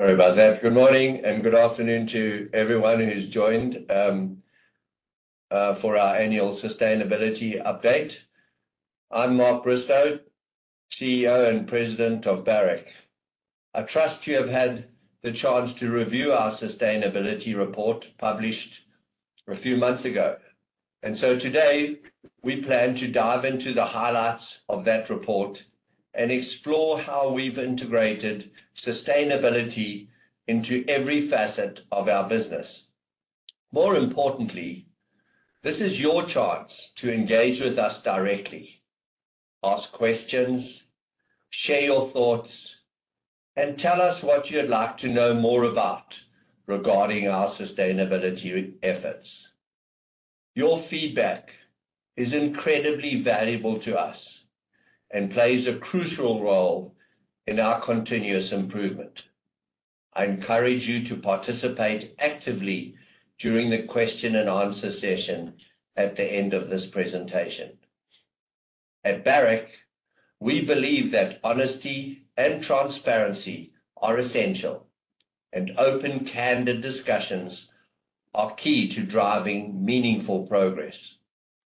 Sorry about that. Good morning and good afternoon to everyone who's joined for our Annual Sustainability Update. I'm Mark Bristow, CEO and President of Barrick. I trust you have had the chance to review our Sustainability Report published a few months ago. So today, we plan to dive into the highlights of that report and explore how we've integrated sustainability into every facet of our business. More importantly, this is your chance to engage with us directly, ask questions, share your thoughts, and tell us what you'd like to know more about regarding our sustainability efforts. Your feedback is incredibly valuable to us and plays a crucial role in our continuous improvement. I encourage you to participate actively during the question and answer session at the end of this presentation. At Barrick, we believe that honesty and transparency are essential, and open, candid discussions are key to driving meaningful progress.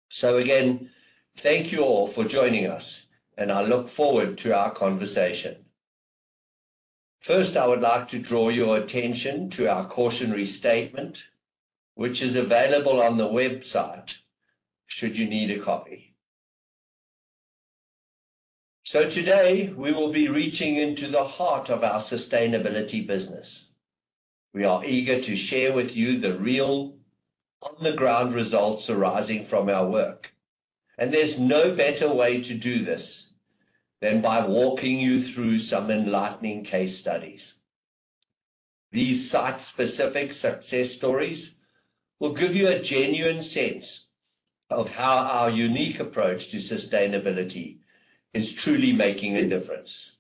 So again, thank you all for joining us, and I look forward to our conversation. First, I would like to draw your attention to our cautionary statement, which is available on the website, should you need a copy. So today, we will be reaching into the heart of our sustainability business. We are eager to share with you the real on-the-ground results arising from our work, and there's no better way to do this than by walking you through some enlightening case studies. These site-specific success stories will give you a genuine sense of how our unique approach to sustainability is truly making a difference.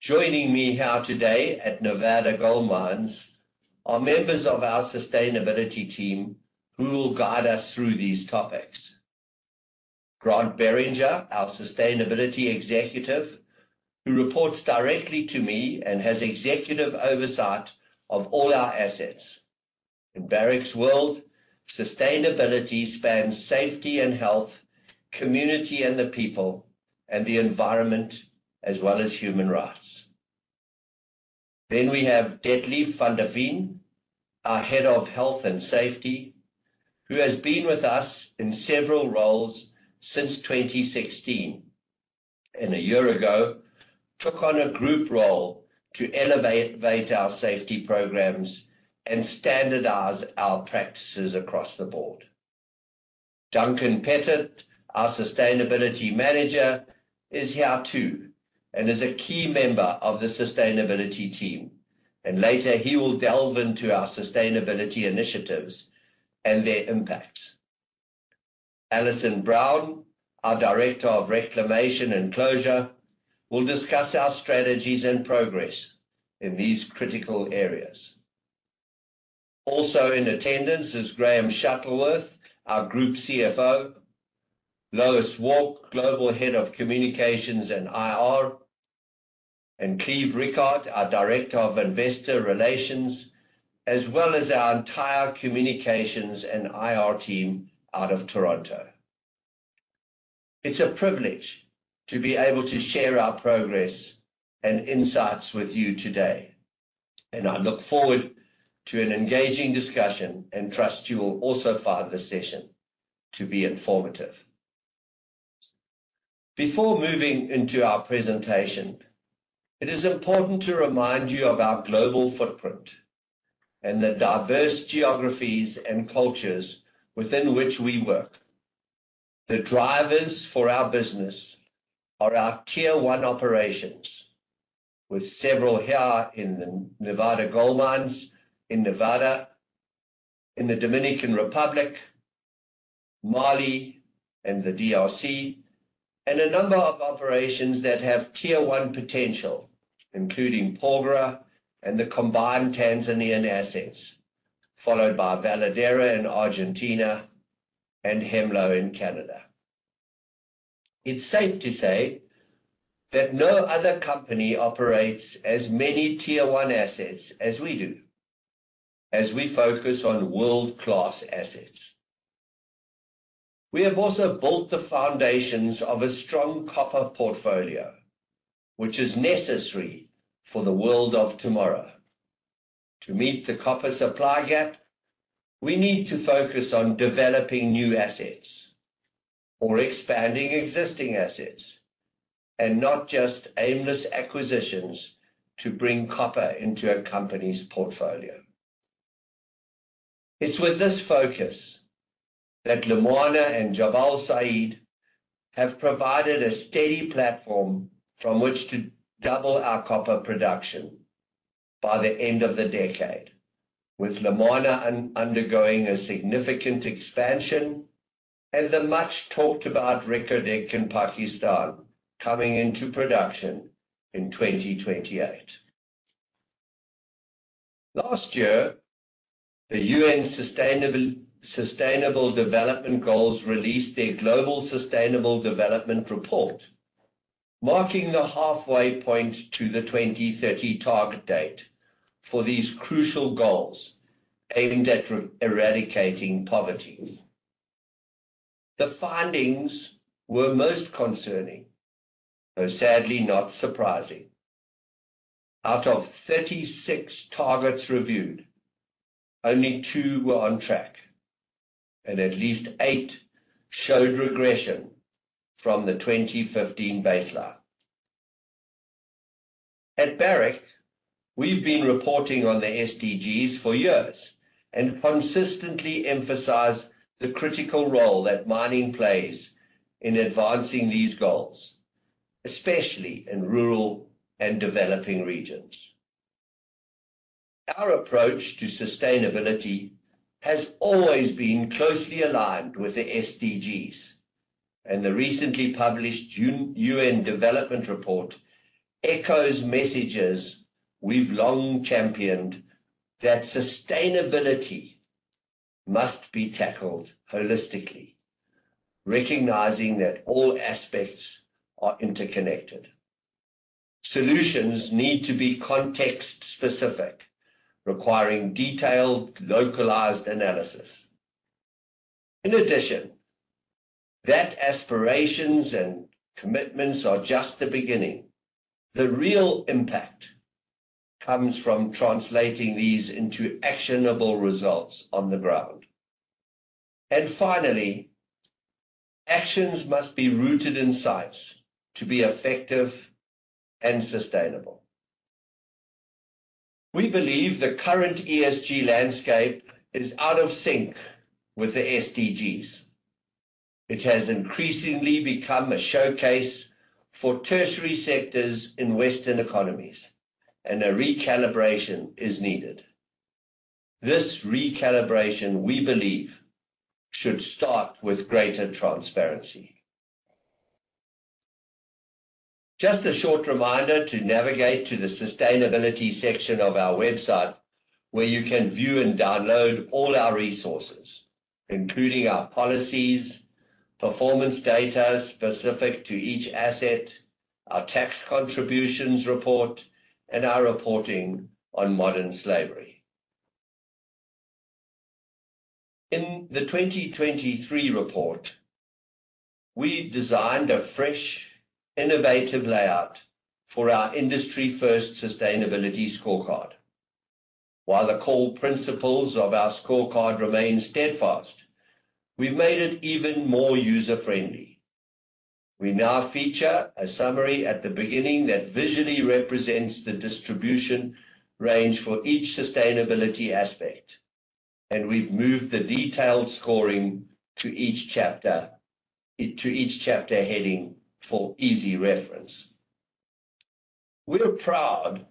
Joining me here today at Nevada Gold Mines are members of our Sustainability Team who will guide us through these topics. Grant Beringer, our Sustainability Executive, who reports directly to me and has executive oversight of all our assets. In Barrick's world, sustainability spans safety and health, community and the people, and the environment, as well as human rights. Then we have Detlev van der Veen, our Head of Health and Safety, who has been with us in several roles since 2016, and a year ago, took on a group role to elevate our safety programs and standardize our practices across the board. Duncan Pettit, our Sustainability Manager, is here too, and is a key member of the sustainability team, and later he will delve into our sustainability initiatives and their impact. Allison Brown, our Director of Reclamation and Closure, will discuss our strategies and progress in these critical areas. Also in attendance is Graham Shuttleworth, our Group CFO, Lois Wark, Global Head of Communications and IR, and Cleve Rickard, our Director of Investor Relations, as well as our entire communications and IR team out of Toronto. It's a privilege to be able to share our progress and insights with you today, and I look forward to an engaging discussion, and trust you will also find this session to be informative. Before moving into our presentation, it is important to remind you of our global footprint and the diverse geographies and cultures within which we work. The drivers for our business are our tier one operations, with several here in the Nevada Gold Mines in Nevada, in the Dominican Republic, Mali, and the DRC, and a number of operations that have tier one potential, including Porgera and the combined Tanzanian assets, followed by Veladero in Argentina and Hemlo in Canada. It's safe to say that no other company operates as many tier one assets as we do, as we focus on world-class assets. We have also built the foundations of a strong copper portfolio, which is necessary for the world of tomorrow. To meet the copper supply gap, we need to focus on developing new assets or expanding existing assets, and not just aimless acquisitions to bring copper into a company's portfolio. It's with this focus that Loulo-Gounkoto and Jabal Sayid have provided a steady platform from which to double our copper production by the end of the decade, with Loulo-Gounkoto undergoing a significant expansion and the much-talked-about Reko Diq in Pakistan coming into production in 2028.... Last year, the UN Sustainable Development Goals released their Global Sustainable Development Report, marking the halfway point to the 2030 target date for these crucial goals aimed at eradicating poverty. The findings were most concerning, though sadly not surprising. Out of 36 targets reviewed, only two were on track, and at least eight showed regression from the 2015 baseline. At Barrick, we've been reporting on the SDGs for years and consistently emphasized the critical role that mining plays in advancing these goals, especially in rural and developing regions. Our approach to sustainability has always been closely aligned with the SDGs, and the recently published UN Development Report echoes messages we've long championed that sustainability must be tackled holistically, recognizing that all aspects are interconnected. Solutions need to be context-specific, requiring detailed, localized analysis. In addition, that aspirations and commitments are just the beginning. The real impact comes from translating these into actionable results on the ground. Finally, actions must be rooted in science to be effective and sustainable. We believe the current ESG landscape is out of sync with the SDGs. It has increasingly become a showcase for tertiary sectors in Western economies, and a recalibration is needed. This recalibration, we believe, should start with greater transparency. Just a short reminder to navigate to the sustainability section of our website, where you can view and download all our resources, including our policies, performance data specific to each asset, our tax contributions report, and our reporting on modern slavery. In the 2023 report, we designed a fresh, innovative layout for our industry-first sustainability scorecard. While the core principles of our scorecard remain steadfast, we've made it even more user-friendly. We now feature a summary at the beginning that visually represents the distribution range for each sustainability aspect, and we've moved the detailed scoring to each chapter, to each chapter heading for easy reference. We are proud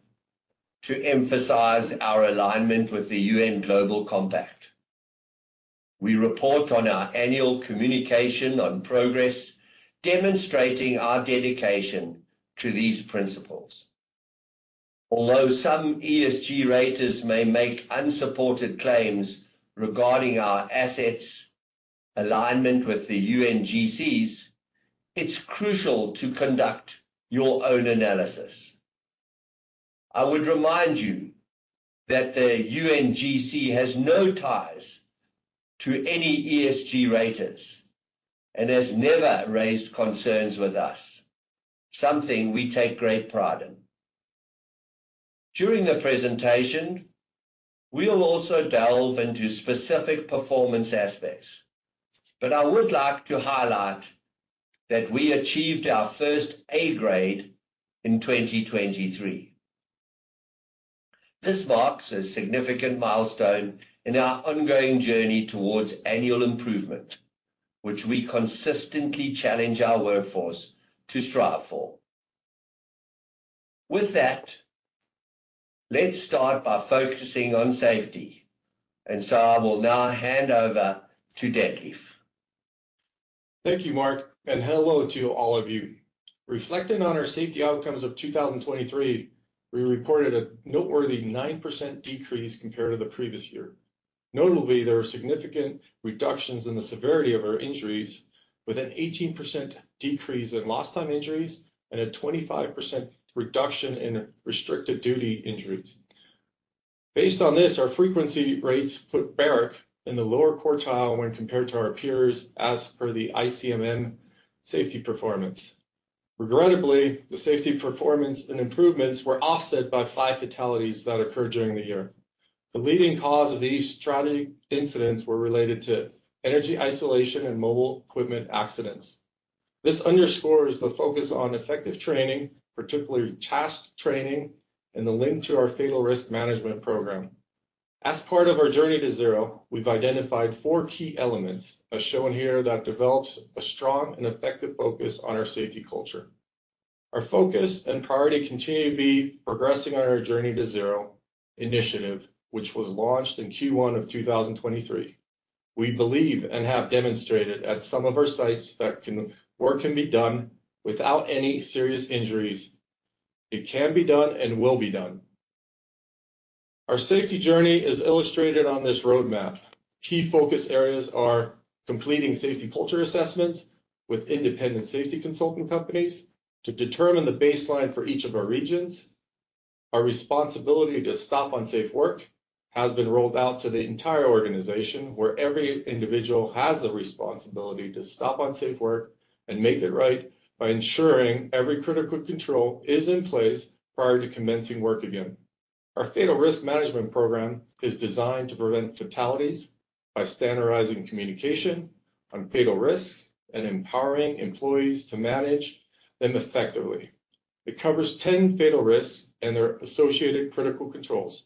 to emphasize our alignment with the UN Global Compact. We report on our annual Communication on Progress, demonstrating our dedication to these principles. Although some ESG raters may make unsupported claims regarding our assets' alignment with the UNGCs, it's crucial to conduct your own analysis. I would remind you that the UNGC has no ties to any ESG raters and has never raised concerns with us, something we take great pride in. During the presentation, we'll also delve into specific performance aspects, but I would like to highlight that we achieved our first A grade in 2023. This marks a significant milestone in our ongoing journey towards annual improvement, which we consistently challenge our workforce to strive for. With that, let's start by focusing on safety, and so I will now hand over to Detlev. Thank you, Mark, and hello to all of you. Reflecting on our safety outcomes of 2023, we reported a noteworthy 9% decrease compared to the previous year. Notably, there were significant reductions in the severity of our injuries, with an 18% decrease in lost time injuries and a 25% reduction in restricted duty injuries. Based on this, our frequency rates put Barrick in the lower quartile when compared to our peers as per the ICMM safety performance. Regrettably, the safety performance and improvements were offset by 5 fatalities that occurred during the year. The leading cause of these tragic incidents were related to energy isolation and mobile equipment accidents. This underscores the focus on effective training, particularly task training, and the link to our fatal risk management program. As part of our Journey to Zero, we've identified four key elements, as shown here, that develop a strong and effective focus on our safety culture. Our focus and priority continue to be progressing on our Journey to zero initiative, which was launched in Q1 of 2023. We believe and have demonstrated at some of our sites work can be done without any serious injuries. It can be done and will be done. Our safety journey is illustrated on this roadmap. Key focus areas are completing safety culture assessments with independent safety consulting companies to determine the baseline for each of our regions. Our responsibility to stop unsafe work has been rolled out to the entire organization, where every individual has the responsibility to stop unsafe work and make it right by ensuring every critical control is in place prior to commencing work again. Our Fatal Risk Management program is designed to prevent fatalities by standardizing communication on fatal risks and empowering employees to manage them effectively. It covers 10 fatal risks and their associated Critical Controls.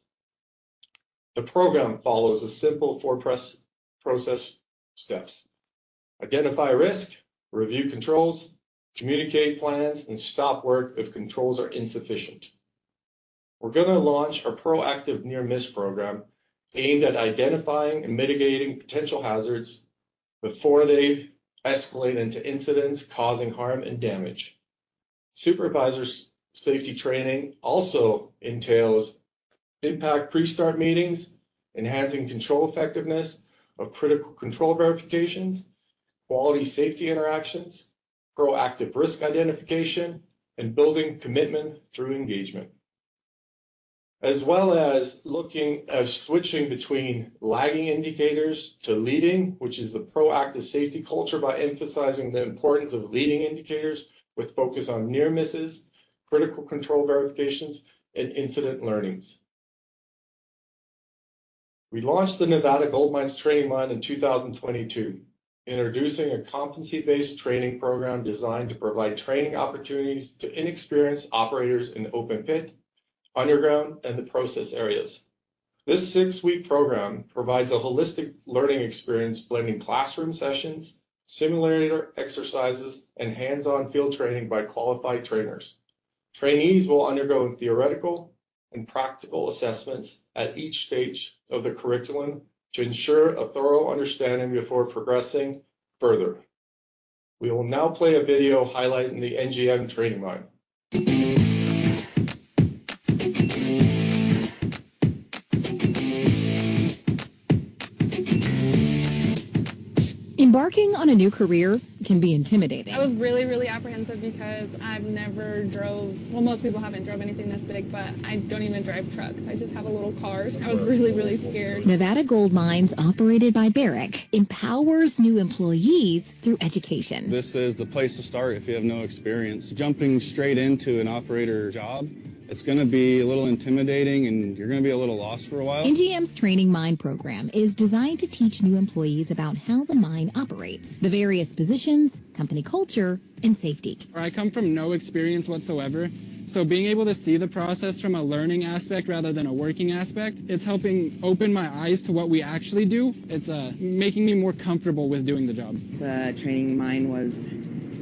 The program follows a simple four-step process: identify risk, review controls, communicate plans, and stop work if controls are insufficient. We're going to launch a proactive near-miss program aimed at identifying and mitigating potential hazards before they escalate into incidents causing harm and damage. Supervisors' safety training also entails impact pre-start meetings, enhancing control effectiveness of Critical Control verifications, quality safety interactions, proactive risk identification, and building commitment through engagement. As well as looking at switching between lagging indicators to leading, which is the proactive safety culture, by emphasizing the importance of leading indicators with focus on near misses, Critical Control verifications, and incident learnings. We launched the Nevada Gold Mines Training Mine in 2022, introducing a competency-based training program designed to provide training opportunities to inexperienced operators in open pit, underground, and the process areas. This six-week program provides a holistic learning experience, blending classroom sessions, simulator exercises, and hands-on field training by qualified trainers. Trainees will undergo theoretical and practical assessments at each stage of the curriculum to ensure a thorough understanding before progressing further. We will now play a video highlighting the NGM Training Mine. Embarking on a new career can be intimidating. I was really, really apprehensive because I've never drove... Well, most people haven't drove anything this big, but I don't even drive trucks. I just have a little car, so I was really, really scared. Nevada Gold Mines, operated by Barrick, empowers new employees through education. This is the place to start if you have no experience. Jumping straight into an operator job, it's going to be a little intimidating, and you're going to be a little lost for a while. NGM's Training Mine program is designed to teach new employees about how the mine operates, the various positions, company culture, and safety. I come from no experience whatsoever, so being able to see the process from a learning aspect rather than a working aspect, it's helping open my eyes to what we actually do. It's making me more comfortable with doing the job. The training mine was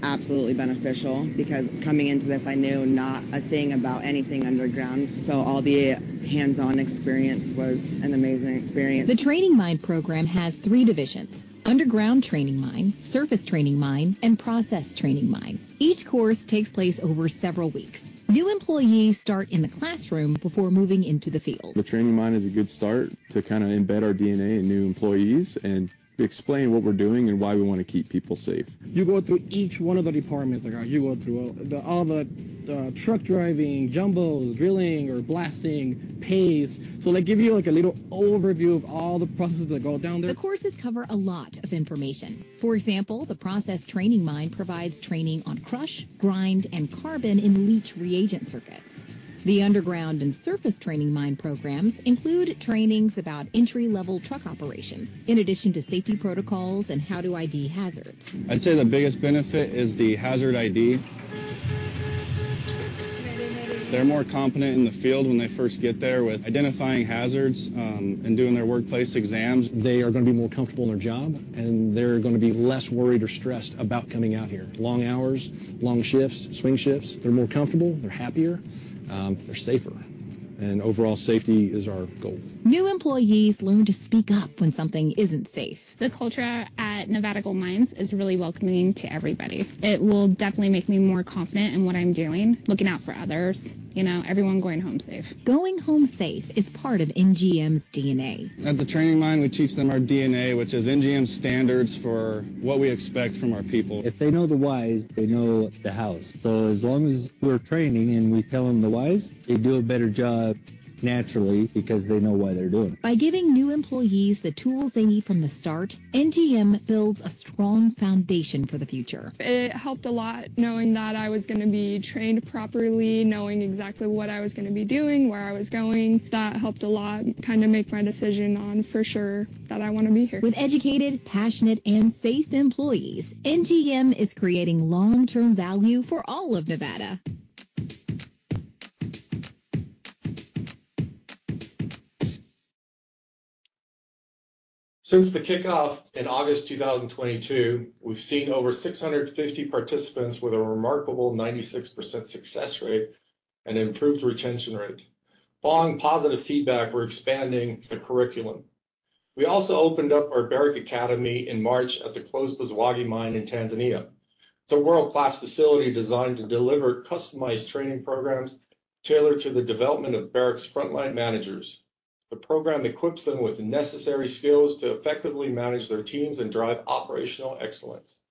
absolutely beneficial because coming into this, I knew not a thing about anything underground, so all the hands-on experience was an amazing experience. The Training Mine program has three divisions: Underground Training Mine, Surface Training Mine, and Process Training Mine. Each course takes place over several weeks. New employees start in the classroom before moving into the field. The training mine is a good start to kind of embed our DNA in new employees and explain what we're doing and why we want to keep people safe. You go through each one of the departments. Like, you go through all the truck driving, jumbos, drilling or blasting, paves. So they give you, like, a little overview of all the processes that go down there. The courses cover a lot of information. For example, the process training mine provides training on crush, grind, and carbon in leach reagent circuits. The underground and surface training mine programs include trainings about entry-level truck operations, in addition to safety protocols and how to ID hazards. I'd say the biggest benefit is the hazard ID. They're more competent in the field when they first get there with identifying hazards, and doing their workplace exams. They are going to be more comfortable in their job, and they're going to be less worried or stressed about coming out here. Long hours, long shifts, swing shifts. They're more comfortable, they're happier, they're safer, and overall safety is our goal. New employees learn to speak up when something isn't safe. The culture at Nevada Gold Mines is really welcoming to everybody. It will definitely make me more confident in what I'm doing, looking out for others. You know, everyone going home safe. Going home safe is part of NGM's DNA. At the training mine, we teach them our DNA, which is NGM standards for what we expect from our people. If they know the whys, they know the hows. So as long as we're training and we tell them the whys, they do a better job naturally because they know why they're doing it. By giving new employees the tools they need from the start, NGM builds a strong foundation for the future. It helped a lot knowing that I was going to be trained properly, knowing exactly what I was going to be doing, where I was going. That helped a lot, kind of make my decision on for sure that I want to be here. With educated, passionate, and safe employees, NGM is creating long-term value for all of Nevada. Since the kickoff in August 2022, we've seen over 650 participants with a remarkable 96% success rate and improved retention rate. Following positive feedback, we're expanding the curriculum. We also opened up our Barrick Academy in March at the closed Buzwagi Mine in Tanzania. It's a world-class facility designed to deliver customized training programs tailored to the development of Barrick's frontline managers. The program equips them with the necessary skills to effectively manage their teams and drive operational excellence.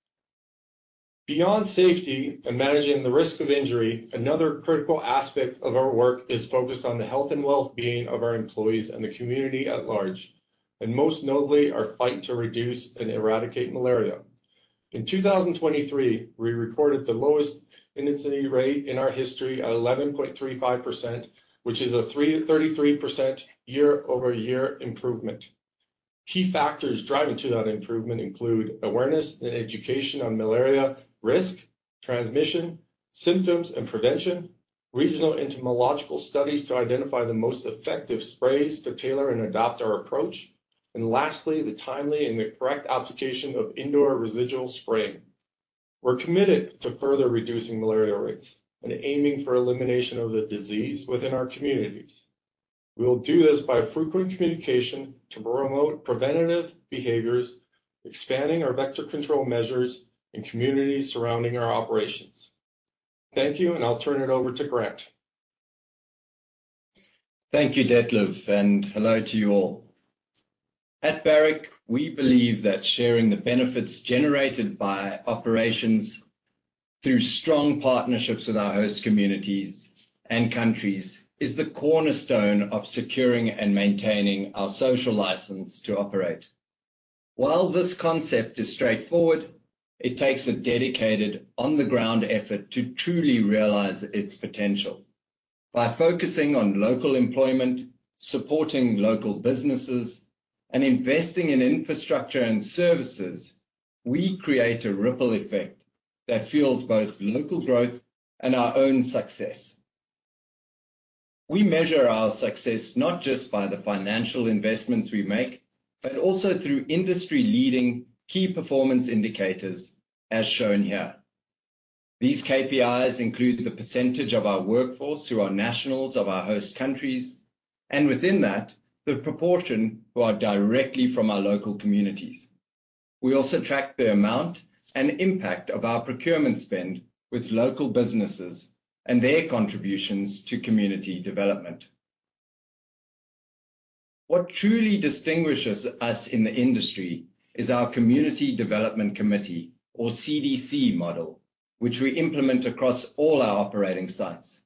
Beyond safety and managing the risk of injury, another critical aspect of our work is focused on the health and well-being of our employees and the community at large, and most notably, our fight to reduce and eradicate malaria. In 2023, we reported the lowest incidence rate in our history at 11.35%, which is a 33% year-over-year improvement. Key factors driving to that improvement include awareness and education on malaria risk, transmission, symptoms, and prevention, regional entomological studies to identify the most effective sprays to tailor and adopt our approach, and lastly, the timely and the correct application of indoor residual spraying. We're committed to further reducing malaria rates and aiming for elimination of the disease within our communities. We will do this by frequent communication to promote preventative behaviors, expanding our vector control measures in communities surrounding our operations. Thank you, and I'll turn it over to Grant. Thank you, Detlev, and hello to you all. At Barrick, we believe that sharing the benefits generated by operations through strong partnerships with our host communities and countries is the cornerstone of securing and maintaining our social license to operate. While this concept is straightforward, it takes a dedicated on-the-ground effort to truly realize its potential. By focusing on local employment, supporting local businesses, and investing in infrastructure and services, we create a ripple effect that fuels both local growth and our own success. We measure our success not just by the financial investments we make, but also through industry-leading key performance indicators, as shown here. These KPIs include the percentage of our workforce who are nationals of our host countries, and within that, the proportion who are directly from our local communities. We also track the amount and impact of our procurement spend with local businesses and their contributions to community development. What truly distinguishes us in the industry is our community development committee, or CDC Model, which we implement across all our operating sites.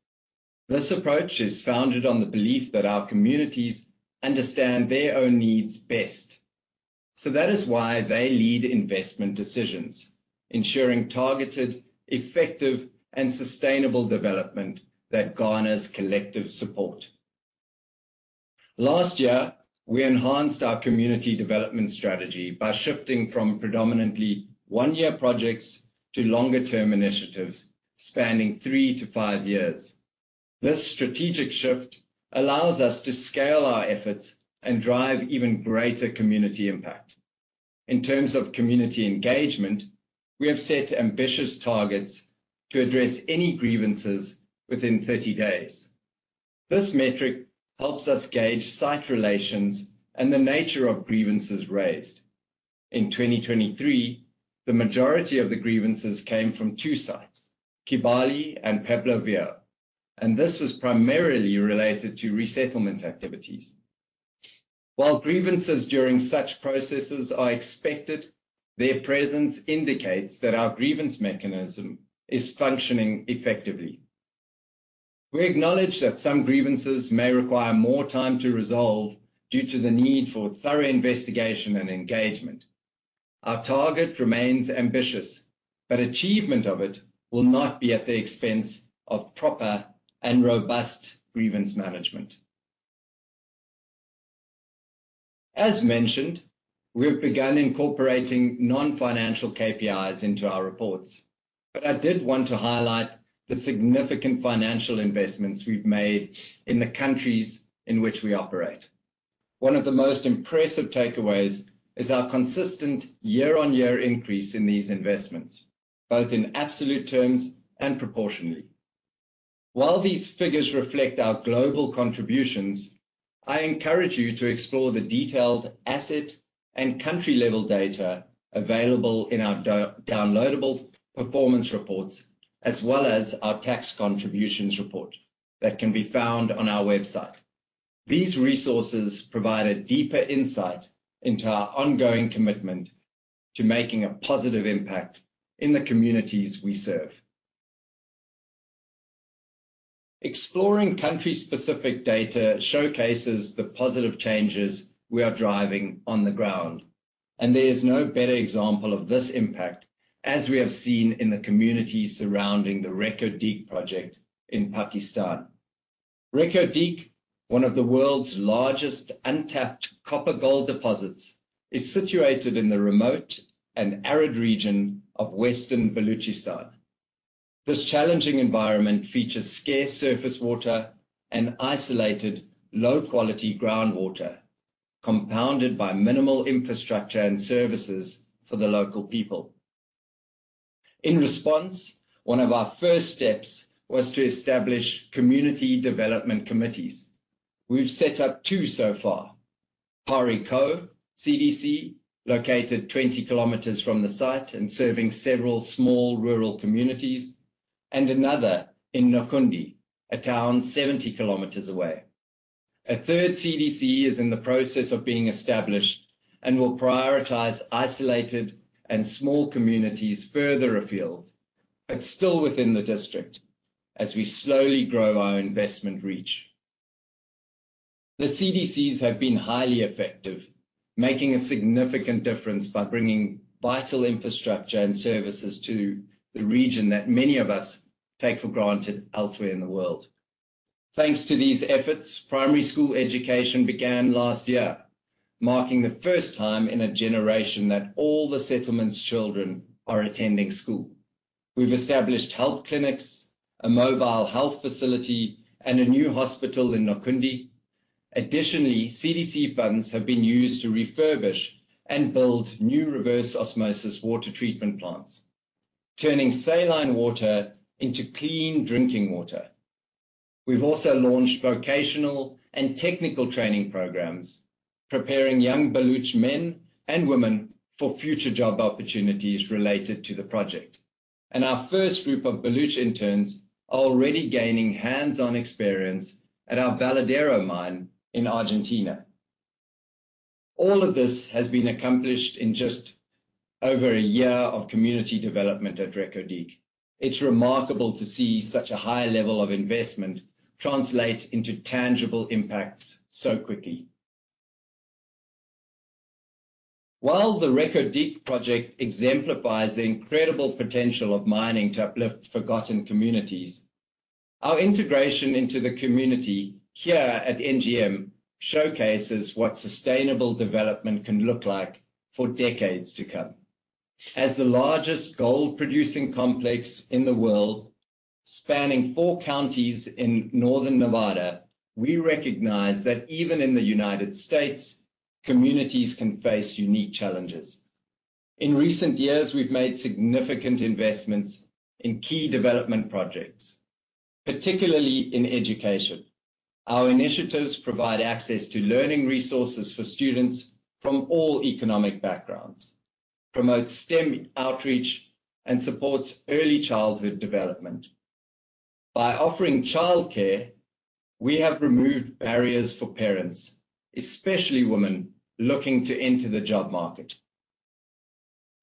This approach is founded on the belief that our communities understand their own needs best. So that is why they lead investment decisions, ensuring targeted, effective, and sustainable development that garners collective support. Last year, we enhanced our community development strategy by shifting from predominantly one-year projects to longer-term initiatives spanning three to five years. This strategic shift allows us to scale our efforts and drive even greater community impact. In terms of community engagement, we have set ambitious targets to address any grievances within 30 days. This metric helps us gauge site relations and the nature of grievances raised. In 2023, the majority of the grievances came from two sites, Kibali and Pueblo Viejo, and this was primarily related to resettlement activities. While grievances during such processes are expected, their presence indicates that our grievance mechanism is functioning effectively. We acknowledge that some grievances may require more time to resolve due to the need for thorough investigation and engagement. Our target remains ambitious, but achievement of it will not be at the expense of proper and robust grievance management. As mentioned, we've begun incorporating non-financial KPIs into our reports, but I did want to highlight the significant financial investments we've made in the countries in which we operate. One of the most impressive takeaways is our consistent year-on-year increase in these investments, both in absolute terms and proportionally. While these figures reflect our global contributions, I encourage you to explore the detailed asset and country-level data available in our downloadable performance reports, as well as our tax contributions report that can be found on our website. These resources provide a deeper insight into our ongoing commitment to making a positive impact in the communities we serve. Exploring country-specific data showcases the positive changes we are driving on the ground, and there is no better example of this impact, as we have seen in the communities surrounding the Reko Diq project in Pakistan. Reko Diq, one of the world's largest untapped copper-gold deposits, is situated in the remote and arid region of western Balochistan. This challenging environment features scarce surface water and isolated, low-quality groundwater, compounded by minimal infrastructure and services for the local people.... In response, one of our first steps was to establish community development committees. We've set up two so far: Par-e-Koh CDC, located 20 KM from the site and serving several small rural communities, and another in Nok Kundi, a town 70 KM away. A third CDC is in the process of being established and will prioritize isolated and small communities further afield, but still within the district, as we slowly grow our investment reach. The CDCs have been highly effective, making a significant difference by bringing vital infrastructure and services to the region that many of us take for granted elsewhere in the world. Thanks to these efforts, primary school education began last year, marking the first time in a generation that all the settlement's children are attending school. We've established health clinics, a mobile health facility, and a new hospital in Nok Kundi. Additionally, CDC funds have been used to refurbish and build new reverse osmosis water treatment plants, turning saline water into clean drinking water. We've also launched vocational and technical training programs, preparing young Baloch men and women for future job opportunities related to the project. Our first group of Baloch interns are already gaining hands-on experience at our Veladero mine in Argentina. All of this has been accomplished in just over a year of community development at Reko Diq. It's remarkable to see such a high level of investment translate into tangible impacts so quickly. While the Reko Diq project exemplifies the incredible potential of mining to uplift forgotten communities, our integration into the community here at NGM showcases what sustainable development can look like for decades to come. As the largest gold-producing complex in the world, spanning four counties in northern Nevada, we recognize that even in the United States, communities can face unique challenges. In recent years, we've made significant investments in key development projects, particularly in education. Our initiatives provide access to learning resources for students from all economic backgrounds, promote STEM outreach, and supports early childhood development. By offering childcare, we have removed barriers for parents, especially women looking to enter the job market.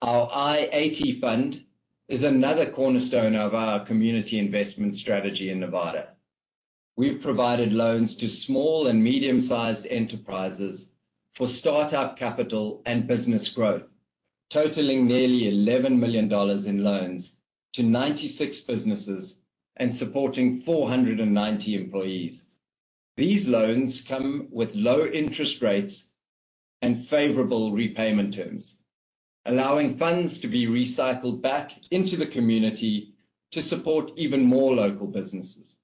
Our I-80 Fund is another cornerstone of our community investment strategy in Nevada. We've provided loans to small and medium-sized enterprises for start-up capital and business growth, totaling nearly $11 million in loans to 96 businesses and supporting 490 employees. These loans come with low interest rates and favorable repayment terms, allowing funds to be recycled back into the community to support even more local businesses.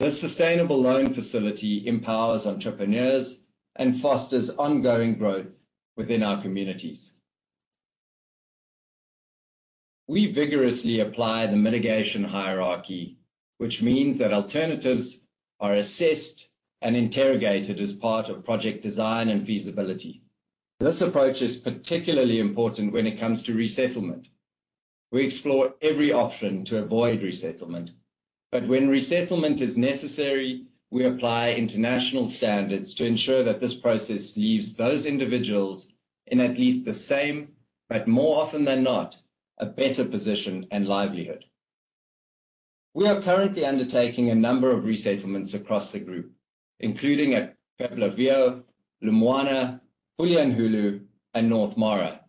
This sustainable loan facility empowers entrepreneurs and fosters ongoing growth within our communities. We vigorously apply the mitigation hierarchy, which means that alternatives are assessed and interrogated as part of project design and feasibility. This approach is particularly important when it comes to resettlement. We explore every option to avoid resettlement, but when resettlement is necessary, we apply international standards to ensure that this process leaves those individuals in at least the same, but more often than not, a better position and livelihood. We are currently undertaking a number of resettlements across the group, including at Pueblo Viejo, Lumwana, Bulyanhulu, and North Mara.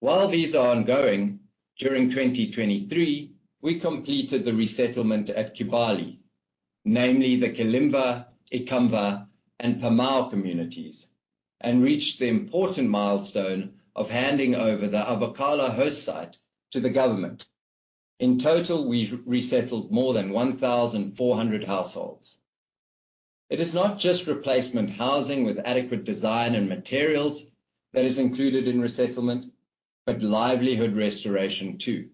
While these are ongoing, during 2023, we completed the resettlement at Kibali, namely the Kalimva, Ikamva, and Pamao communities, and reached the important milestone of handing over the Avokala host site to the government. In total, we've resettled more than 1,400 households. It is not just replacement housing with adequate design and materials that is included in resettlement, but livelihood restoration, too.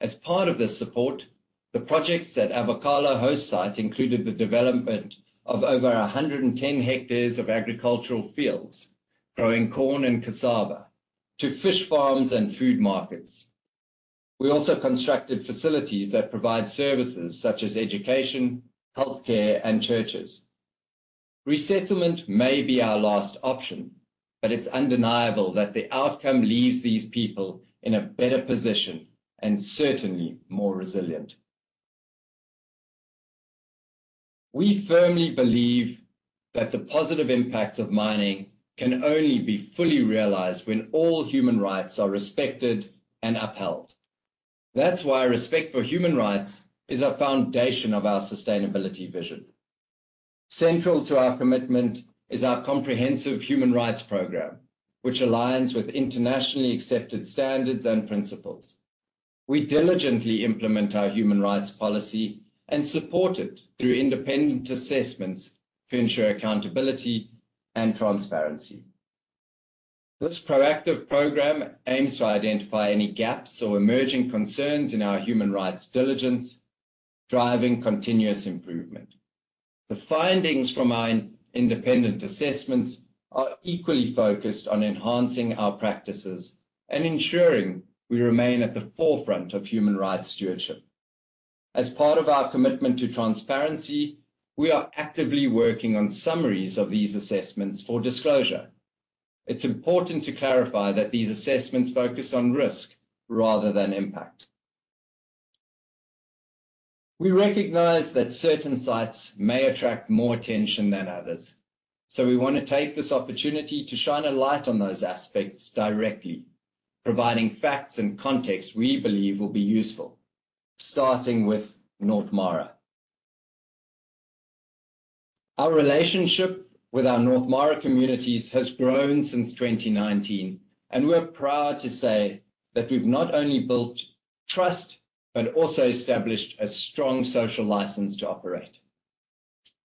As part of this support, the projects at Avokala host site included the development of over 110 hectares of agricultural fields, growing corn and cassava, to fish farms and food markets. We also constructed facilities that provide services such as education, healthcare, and churches. Resettlement may be our last option, but it's undeniable that the outcome leaves these people in a better position and certainly more resilient. We firmly believe that the positive impacts of mining can only be fully realized when all human rights are respected and upheld. That's why respect for human rights is a foundation of our sustainability vision. Central to our commitment is our comprehensive Human Rights Program, which aligns with internationally accepted standards and principles. We diligently implement our Human Rights Policy and support it through independent assessments to ensure accountability and transparency. This proactive program aims to identify any gaps or emerging concerns in our Human Rights diligence, driving continuous improvement. The findings from our independent assessments are equally focused on enhancing our practices and ensuring we remain at the forefront of human rights stewardship. As part of our commitment to transparency, we are actively working on summaries of these assessments for disclosure. It's important to clarify that these assessments focus on risk rather than impact. We recognize that certain sites may attract more attention than others, so we wanna take this opportunity to shine a light on those aspects directly, providing facts and context we believe will be useful, starting with North Mara. Our relationship with our North Mara communities has grown since 2019, and we're proud to say that we've not only built trust, but also established a strong social license to operate.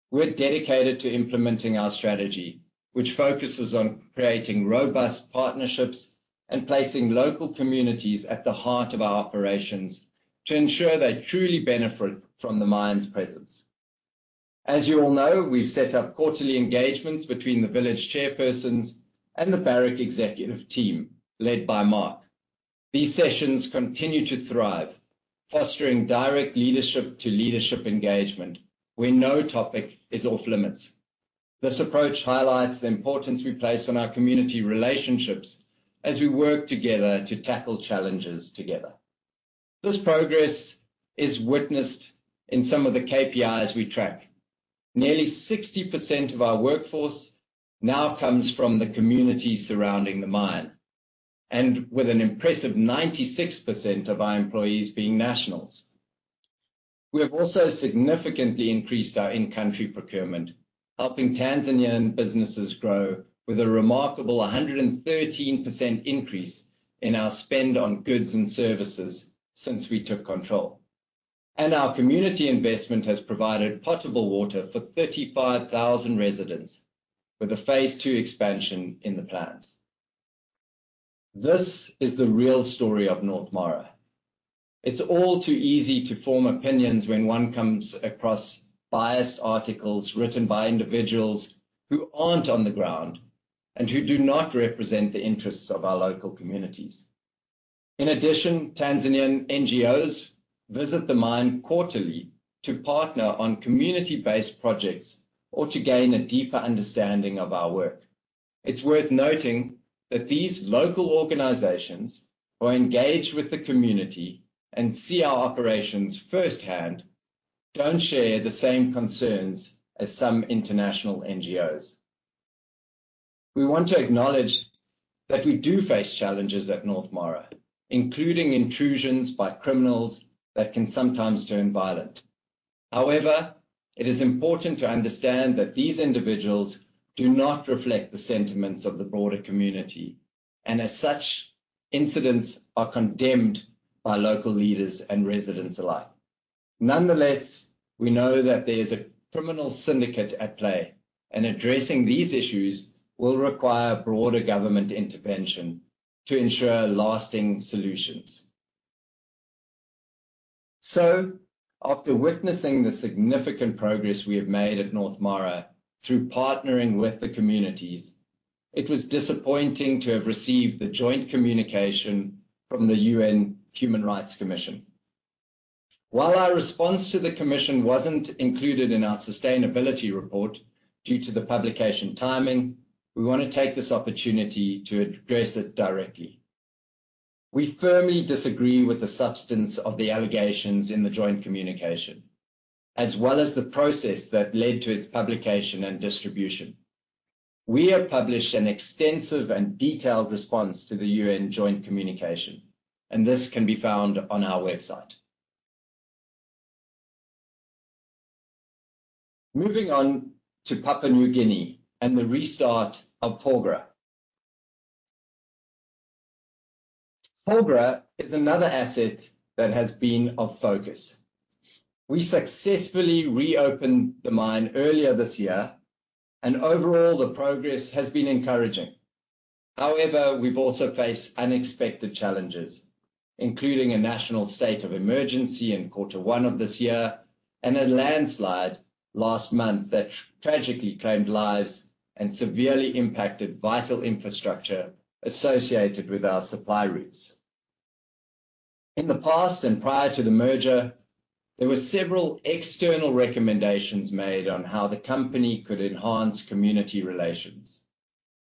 We're dedicated to implementing our strategy, which focuses on creating robust partnerships and placing local communities at the heart of our operations to ensure they truly benefit from the mine's presence. As you all know, we've set up quarterly engagements between the village chairpersons and the Barrick executive team, led by Mark. These sessions continue to thrive, fostering direct leadership to leadership engagement, where no topic is off limits. This approach highlights the importance we place on our community relationships as we work together to tackle challenges together. This progress is witnessed in some of the KPIs we track. Nearly 60% of our workforce now comes from the communities surrounding the mine, and with an impressive 96% of our employees being nationals. We have also significantly increased our in-country procurement, helping Tanzanian businesses grow with a remarkable 113% increase in our spend on goods and services since we took control. Our community investment has provided potable water for 35,000 residents, with a phase II expansion in the plans. This is the real story of North Mara. It's all too easy to form opinions when one comes across biased articles written by individuals who aren't on the ground and who do not represent the interests of our local communities. In addition, Tanzanian NGOs visit the mine quarterly to partner on community-based projects or to gain a deeper understanding of our work. It's worth noting that these local organizations, who are engaged with the community and see our operations firsthand, don't share the same concerns as some international NGOs. We want to acknowledge that we do face challenges at North Mara, including intrusions by criminals that can sometimes turn violent. However, it is important to understand that these individuals do not reflect the sentiments of the broader community, and as such, incidents are condemned by local leaders and residents alike. Nonetheless, we know that there's a criminal syndicate at play, and addressing these issues will require broader government intervention to ensure lasting solutions. So after witnessing the significant progress we have made at North Mara through partnering with the communities, it was disappointing to have received the joint communication from the UN Human Rights Commission. While our response to the commission wasn't included in our sustainability report due to the publication timing, we wanna take this opportunity to address it directly. We firmly disagree with the substance of the allegations in the joint communication, as well as the process that led to its publication and distribution. We have published an extensive and detailed response to the UN joint communication, and this can be found on our website. Moving on to Papua New Guinea and the restart of Porgera. Porgera is another asset that has been of focus. We successfully reopened the mine earlier this year, and overall, the progress has been encouraging. However, we've also faced unexpected challenges, including a national state of emergency in quarter one of this year and a landslide last month that tragically claimed lives and severely impacted vital infrastructure associated with our supply routes. In the past and prior to the merger, there were several external recommendations made on how the company could enhance community relations.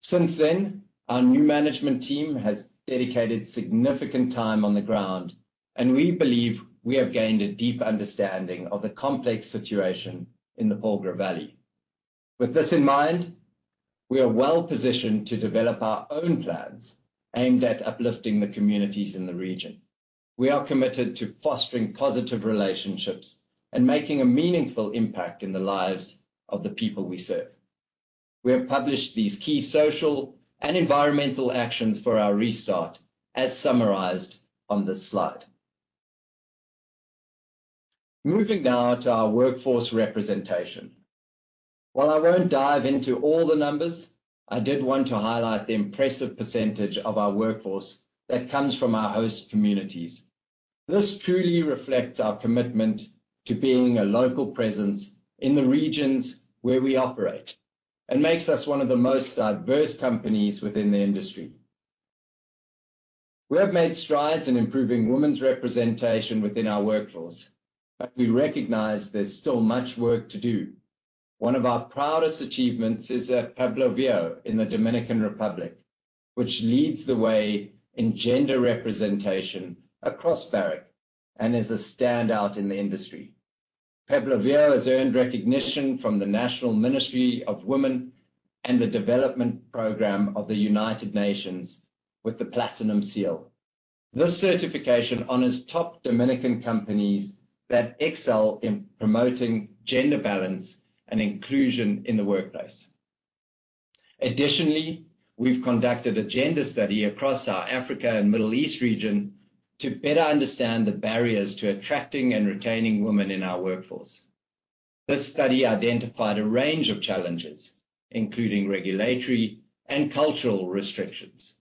Since then, our new management team has dedicated significant time on the ground, and we believe we have gained a deep understanding of the complex situation in the Porgera Valley. With this in mind, we are well-positioned to develop our own plans aimed at uplifting the communities in the region. We are committed to fostering positive relationships and making a meaningful impact in the lives of the people we serve. We have published these key social and environmental actions for our restart, as summarized on this slide... Moving now to our workforce representation. While I won't dive into all the numbers, I did want to highlight the impressive percentage of our workforce that comes from our host communities. This truly reflects our commitment to being a local presence in the regions where we operate, and makes us one of the most diverse companies within the industry. We have made strides in improving women's representation within our workforce, but we recognize there's still much work to do. One of our proudest achievements is at Pueblo Viejo in the Dominican Republic, which leads the way in gender representation across Barrick, and is a standout in the industry. Pueblo Viejo has earned recognition from the National Ministry of Women and the Development Program of the United Nations with the Platinum Seal. This certification honors top Dominican companies that excel in promoting gender balance and inclusion in the workplace. Additionally, we've conducted a gender study across our Africa and Middle East region to better understand the barriers to attracting and retaining women in our workforce. This study identified a range of challenges, including regulatory and cultural restrictions.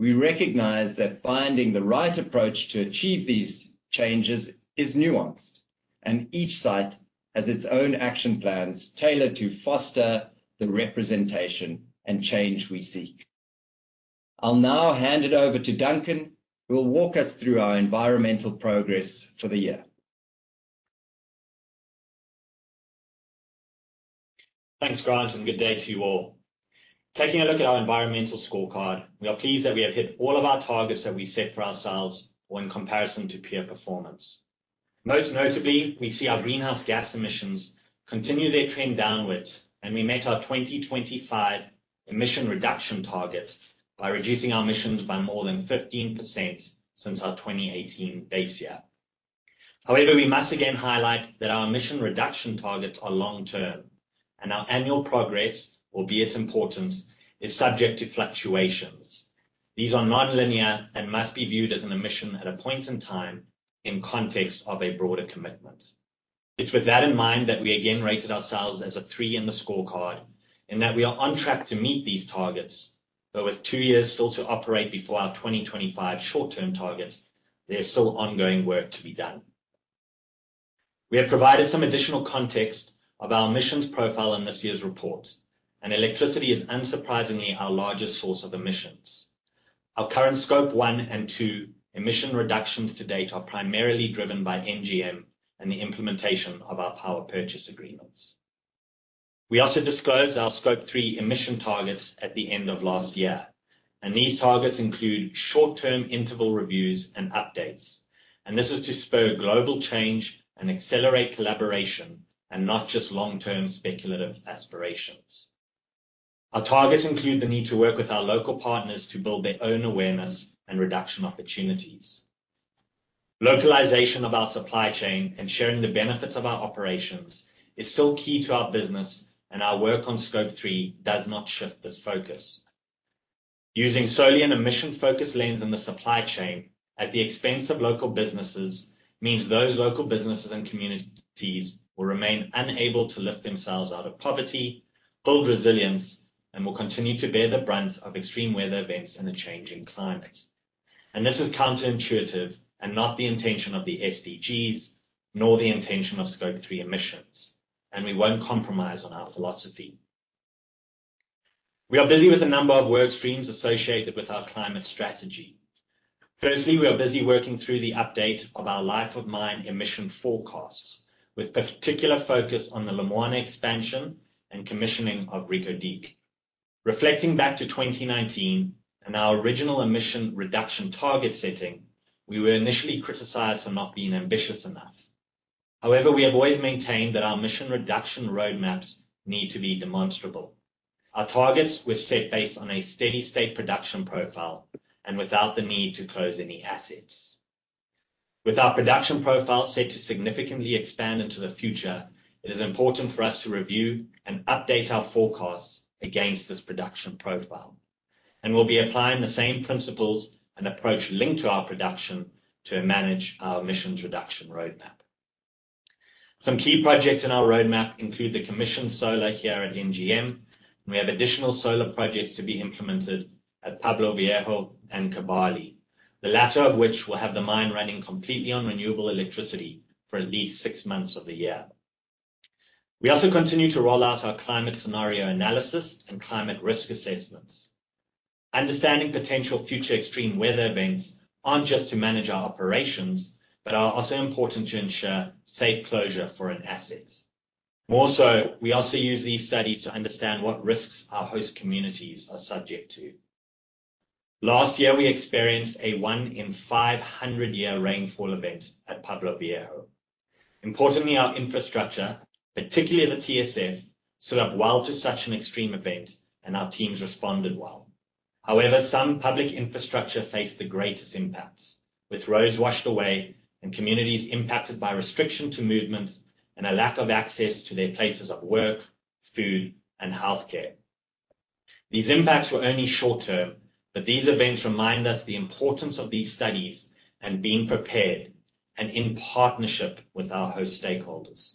We recognize that finding the right approach to achieve these changes is nuanced, and each site has its own action plans tailored to foster the representation and change we seek. I'll now hand it over to Duncan, who will walk us through our environmental progress for the year. Thanks, Grant, and good day to you all. Taking a look at our environmental scorecard, we are pleased that we have hit all of our targets that we set for ourselves when compared to peer performance. Most notably, we see our greenhouse gas emissions continue their trend downwards, and we met our 2025 emission reduction target by reducing our emissions by more than 15% since our 2018 base year. However, we must again highlight that our emission reduction targets are long-term, and our annual progress, albeit important, is subject to fluctuations. These are non-linear and must be viewed as an emission at a point in time in context of a broader commitment. It's with that in mind that we again rated ourselves as a 3 in the scorecard, and that we are on track to meet these targets. But with two years still to operate before our 2025 short-term target, there's still ongoing work to be done. We have provided some additional context of our emissions profile in this year's report, and electricity is unsurprisingly our largest source of emissions. Our current Scope 1 and 2 emission reductions to date are primarily driven by NGM and the implementation of our power purchase agreements. We also disclosed our Scope 3 emission targets at the end of last year, and these targets include short-term interval reviews and updates. And this is to spur global change and accelerate collaboration and not just long-term speculative aspirations. Our targets include the need to work with our local partners to build their own awareness and reduction opportunities. Localization of our supply chain and sharing the benefits of our operations is still key to our business, and our work on Scope 3 does not shift this focus. Using solely an emission-focused lens in the supply chain at the expense of local businesses means those local businesses and communities will remain unable to lift themselves out of poverty, build resilience, and will continue to bear the brunt of extreme weather events and the changing climate. This is counterintuitive and not the intention of the SDGs, nor the intention of Scope 3 emissions, and we won't compromise on our philosophy. We are busy with a number of work streams associated with our climate strategy. Firstly, we are busy working through the update of our life of mine emission forecasts, with particular focus on the Lumwana expansion and commissioning of Reko Diq. Reflecting back to 2019 and our original emission reduction target setting, we were initially criticized for not being ambitious enough. However, we have always maintained that our emission reduction roadmaps need to be demonstrable. Our targets were set based on a steady state production profile and without the need to close any assets. With our production profile set to significantly expand into the future, it is important for us to review and update our forecasts against this production profile. We'll be applying the same principles and approach linked to our production to manage our emissions reduction roadmap. Some key projects in our roadmap include the commission solar here at NGM, and we have additional solar projects to be implemented at Pueblo Viejo and Kibali. The latter of which will have the mine running completely on renewable electricity for at least six months of the year. We also continue to roll out our climate scenario analysis and climate risk assessments. Understanding potential future extreme weather events aren't just to manage our operations, but are also important to ensure safe closure for an asset. More so, we also use these studies to understand what risks our host communities are subject to. Last year, we experienced a 1 in 500-year rainfall event at Pueblo Viejo. Importantly, our infrastructure, particularly the TSF, stood up well to such an extreme event and our teams responded well. However, some public infrastructure faced the greatest impacts, with roads washed away and communities impacted by restriction to movements and a lack of access to their places of work, food, and healthcare. These impacts were only short-term, but these events remind us the importance of these studies and being prepared and in partnership with our host stakeholders.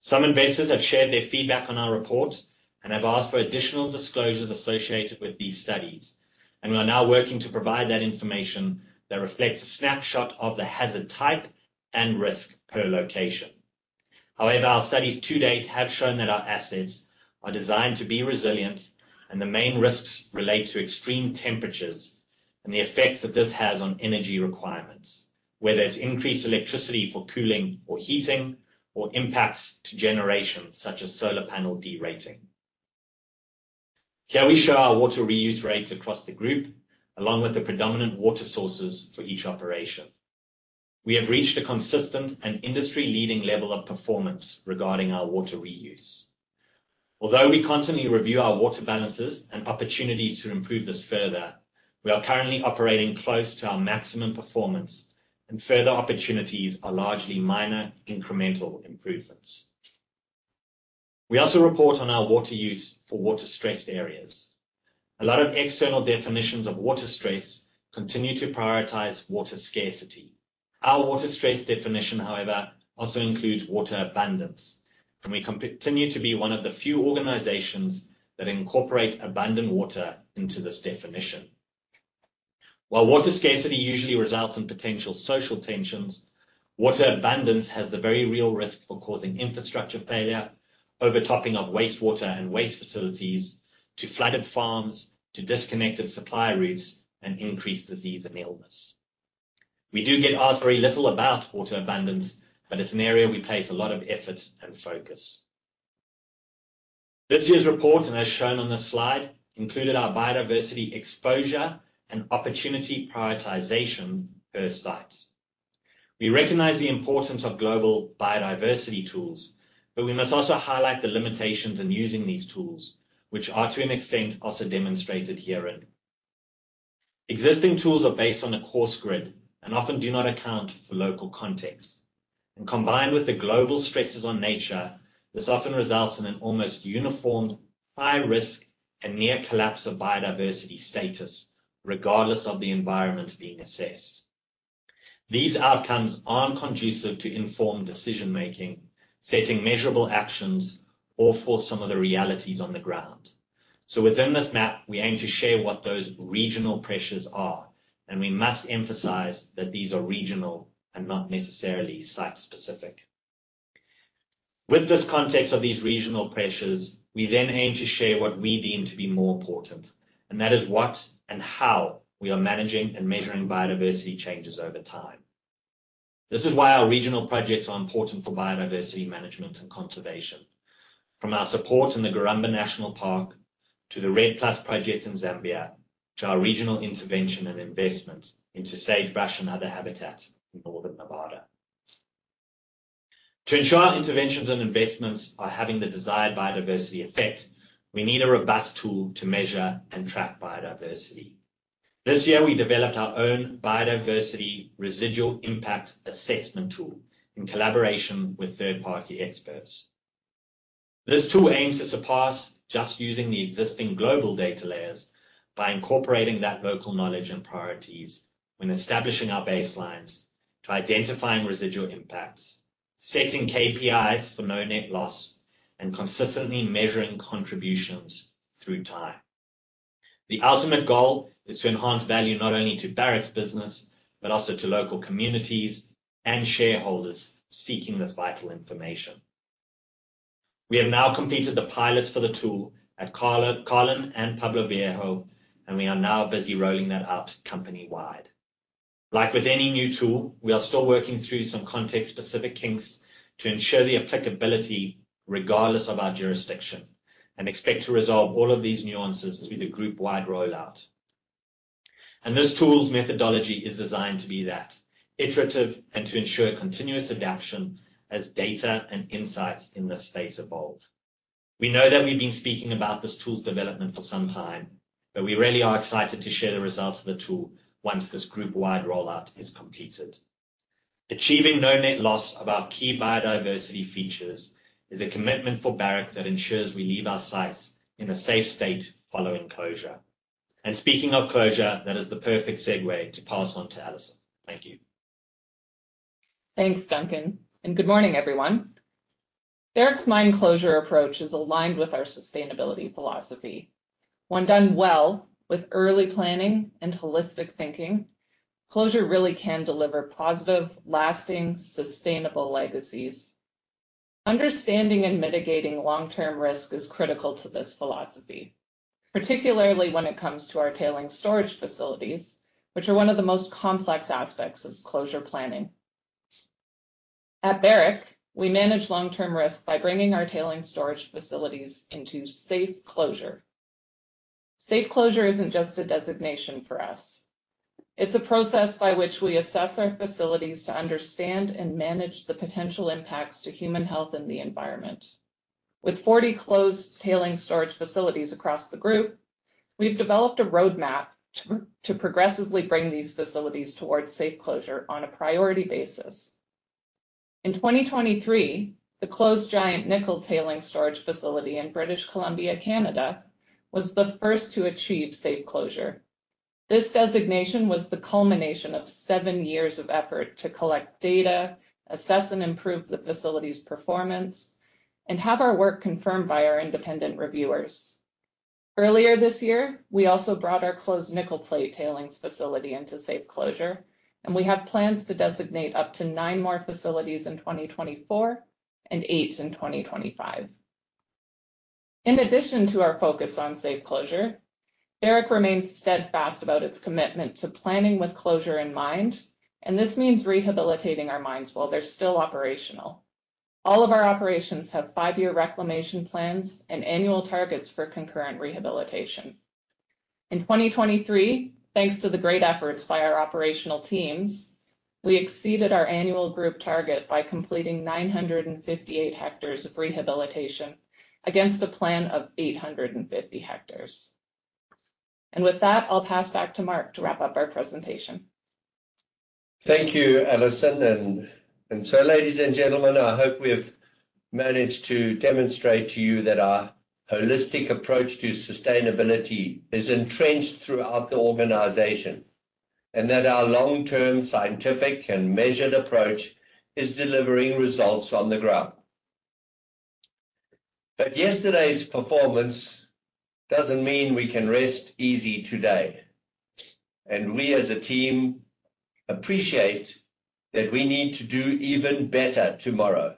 Some investors have shared their feedback on our report and have asked for additional disclosures associated with these studies, and we are now working to provide that information that reflects a snapshot of the hazard type and risk per location. However, our studies to date have shown that our assets are designed to be resilient, and the main risks relate to extreme temperatures and the effects that this has on energy requirements, whether it's increased electricity for cooling or heating, or impacts to generation, such as solar panel derating. Here we show our water reuse rates across the group, along with the predominant water sources for each operation. We have reached a consistent and industry-leading level of performance regarding our water reuse. Although we constantly review our water balances and opportunities to improve this further, we are currently operating close to our maximum performance, and further opportunities are largely minor incremental improvements. We also report on our water use for water-stressed areas. A lot of external definitions of water stress continue to prioritize water scarcity. Our water stress definition, however, also includes water abundance, and we continue to be one of the few organizations that incorporate abundant water into this definition. While water scarcity usually results in potential social tensions, water abundance has the very real risk for causing infrastructure failure, overtopping of wastewater and waste facilities, to flooded farms, to disconnected supply routes, and increased disease and illness. We do get asked very little about water abundance, but it's an area we place a lot of effort and focus. This year's report, and as shown on this slide, included our biodiversity exposure and opportunity prioritization per site. We recognize the importance of global biodiversity tools, but we must also highlight the limitations in using these tools, which are, to an extent, also demonstrated herein. Existing tools are based on a coarse grid and often do not account for local context, and combined with the global stresses on nature, this often results in an almost uniform, high risk, and near collapse of biodiversity status, regardless of the environment being assessed. These outcomes aren't conducive to informed decision-making, setting measurable actions, or for some of the realities on the ground. So within this map, we aim to share what those regional pressures are, and we must emphasize that these are regional and not necessarily site-specific. With this context of these regional pressures, we then aim to share what we deem to be more important, and that is what and how we are managing and measuring biodiversity changes over time. This is why our regional projects are important for biodiversity management and conservation. From our support in the Garamba National Park, to the REDD+ project in Zambia, to our regional intervention and investment into sagebrush and other habitats in northern Nevada. To ensure our interventions and investments are having the desired biodiversity effect, we need a robust tool to measure and track biodiversity. This year, we developed our own Biodiversity Residual Impact Assessment Tool in collaboration with third-party experts. This tool aims to surpass just using the existing global data layers by incorporating that local knowledge and priorities when establishing our baselines, to identifying residual impacts, setting KPIs for no net loss, and consistently measuring contributions through time. The ultimate goal is to enhance value not only to Barrick's business, but also to local communities and shareholders seeking this vital information. We have now completed the pilots for the tool at Carlin and Cortez and Pueblo Viejo, and we are now busy rolling that out company-wide. Like with any new tool, we are still working through some context-specific kinks to ensure the applicability, regardless of our jurisdiction, and expect to resolve all of these nuances with a group-wide rollout. This tool's methodology is designed to be that, iterative and to ensure continuous adaptation as data and insights in this space evolve. We know that we've been speaking about this tool's development for some time, but we really are excited to share the results of the tool once this group-wide rollout is completed. Achieving no net loss of our key biodiversity features is a commitment for Barrick that ensures we leave our sites in a safe state following closure. And speaking of closure, that is the perfect segue to pass on to Allison. Thank you. Thanks, Duncan, and good morning, everyone. Barrick's mine closure approach is aligned with our sustainability philosophy. When done well, with early planning and holistic thinking, closure really can deliver positive, lasting, sustainable legacies. Understanding and mitigating long-term risk is critical to this philosophy, particularly when it comes to our tailings storage facilities, which are one of the most complex aspects of closure planning. At Barrick, we manage long-term risk by bringing our tailings storage facilities into safe closure. Safe closure isn't just a designation for us. It's a process by which we assess our facilities to understand and manage the potential impacts to human health and the environment. With 40 closed tailings storage facilities across the group, we've developed a roadmap to progressively bring these facilities towards safe closure on a priority basis.... In 2023, the closed Giant Nickel tailings storage facility in British Columbia, Canada, was the first to achieve safe closure. This designation was the culmination of seven years of effort to collect data, assess and improve the facility's performance, and have our work confirmed by our independent reviewers. Earlier this year, we also brought our closed Nickel Plate tailings facility into safe closure, and we have plans to designate up to nine more facilities in 2024 and eight in 2025. In addition to our focus on safe closure, Barrick remains steadfast about its commitment to planning with closure in mind, and this means rehabilitating our mines while they're still operational. All of our operations have five-year reclamation plans and annual targets for concurrent rehabilitation. In 2023, thanks to the great efforts by our operational teams, we exceeded our annual group target by completing 958 hectares of rehabilitation against a plan of 850 hectares. With that, I'll pass back to Mark to wrap up our presentation. Thank you, Allison. So, ladies and gentlemen, I hope we have managed to demonstrate to you that our holistic approach to sustainability is entrenched throughout the organization, and that our long-term scientific and measured approach is delivering results on the ground. But yesterday's performance doesn't mean we can rest easy today, and we as a team appreciate that we need to do even better tomorrow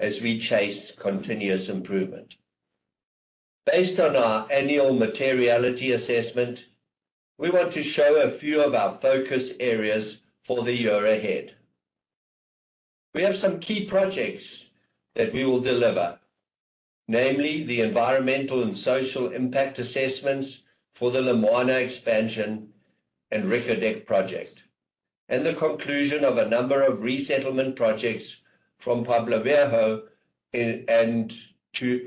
as we chase continuous improvement. Based on our annual materiality assessment, we want to show a few of our focus areas for the year ahead. We have some key projects that we will deliver, namely the environmental and social impact assessments for the Lumwana expansion and Reko Diq project, and the conclusion of a number of resettlement projects from Pueblo Viejo, and to,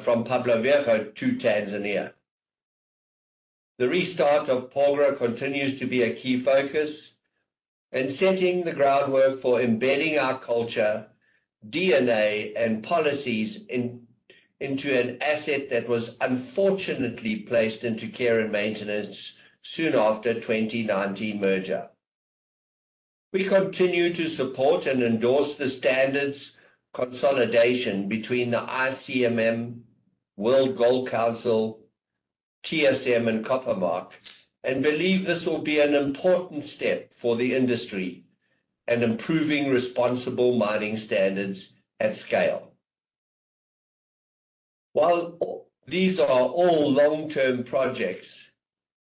from Pueblo Viejo to Tanzania. The restart of Porgera continues to be a key focus in setting the groundwork for embedding our culture, DNA, and policies into an asset that was unfortunately placed into care and maintenance soon after 2019 merger. We continue to support and endorse the standards consolidation between the ICMM, World Gold Council, TSM, and Copper Mark, and believe this will be an important step for the industry and improving responsible mining standards at scale. While these are all long-term projects,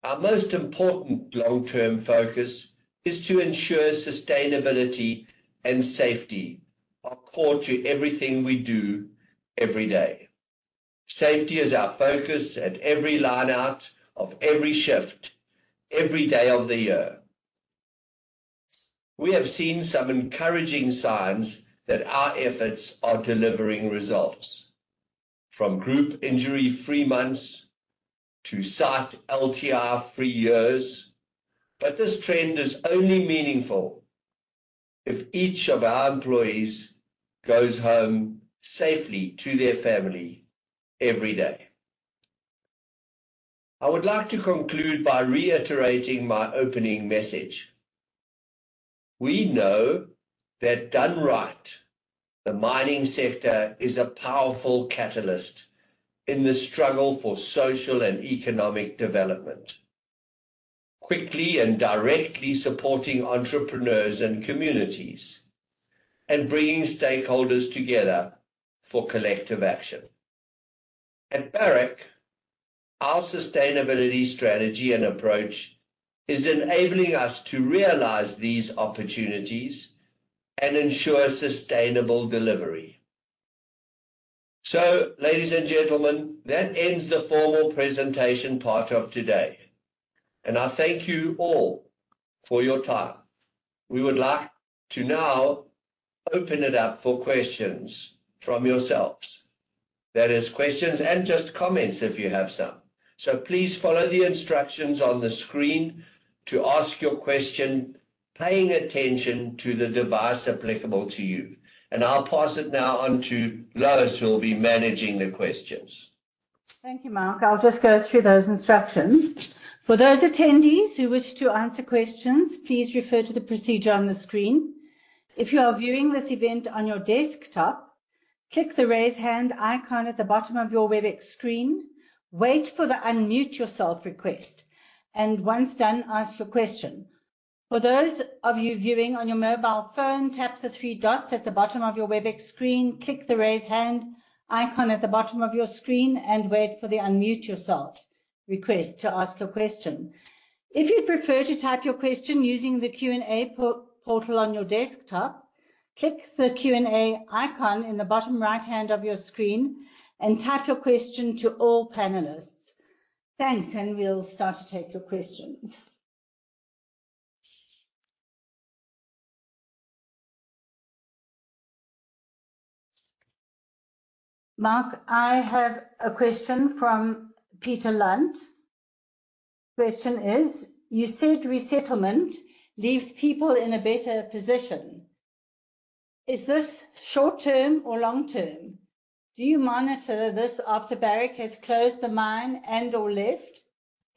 our most important long-term focus is to ensure sustainability and safety are core to everything we do every day. Safety is our focus at every line out of every shift, every day of the year. We have seen some encouraging signs that our efforts are delivering results, from group injury-free months to site LTI-free years, but this trend is only meaningful if each of our employees goes home safely to their family every day. I would like to conclude by reiterating my opening message. We know that done right, the mining sector is a powerful catalyst in the struggle for social and economic development, quickly and directly supporting entrepreneurs and communities, and bringing stakeholders together for collective action. At Barrick, our sustainability strategy and approach is enabling us to realize these opportunities and ensure sustainable delivery. So, ladies and gentlemen, that ends the formal presentation part of today, and I thank you all for your time. We would like to now open it up for questions from yourselves. That is, questions and just comments if you have some. So please follow the instructions on the screen to ask your question, paying attention to the device applicable to you. And I'll pass it now on to Lois, who will be managing the questions. Thank you, Mark. I'll just go through those instructions. For those attendees who wish to answer questions, please refer to the procedure on the screen. If you are viewing this event on your desktop, click the Raise Hand icon at the bottom of your Webex screen. Wait for the unmute yourself request, and once done, ask your question. For those of you viewing on your mobile phone, tap the three dots at the bottom of your Webex screen. Click the Raise Hand icon at the bottom of your screen, and wait for the unmute yourself request to ask a question. If you'd prefer to type your question using the Q&A portal on your desktop, click the Q&A icon in the bottom right-hand of your screen and type your question to all panelists. Thanks, and we'll start to take your questions.... Mark, I have a question from Peter Lunt. Question is, you said resettlement leaves people in a better position. Is this short-term or long-term? Do you monitor this after Barrick has closed the mine and or left?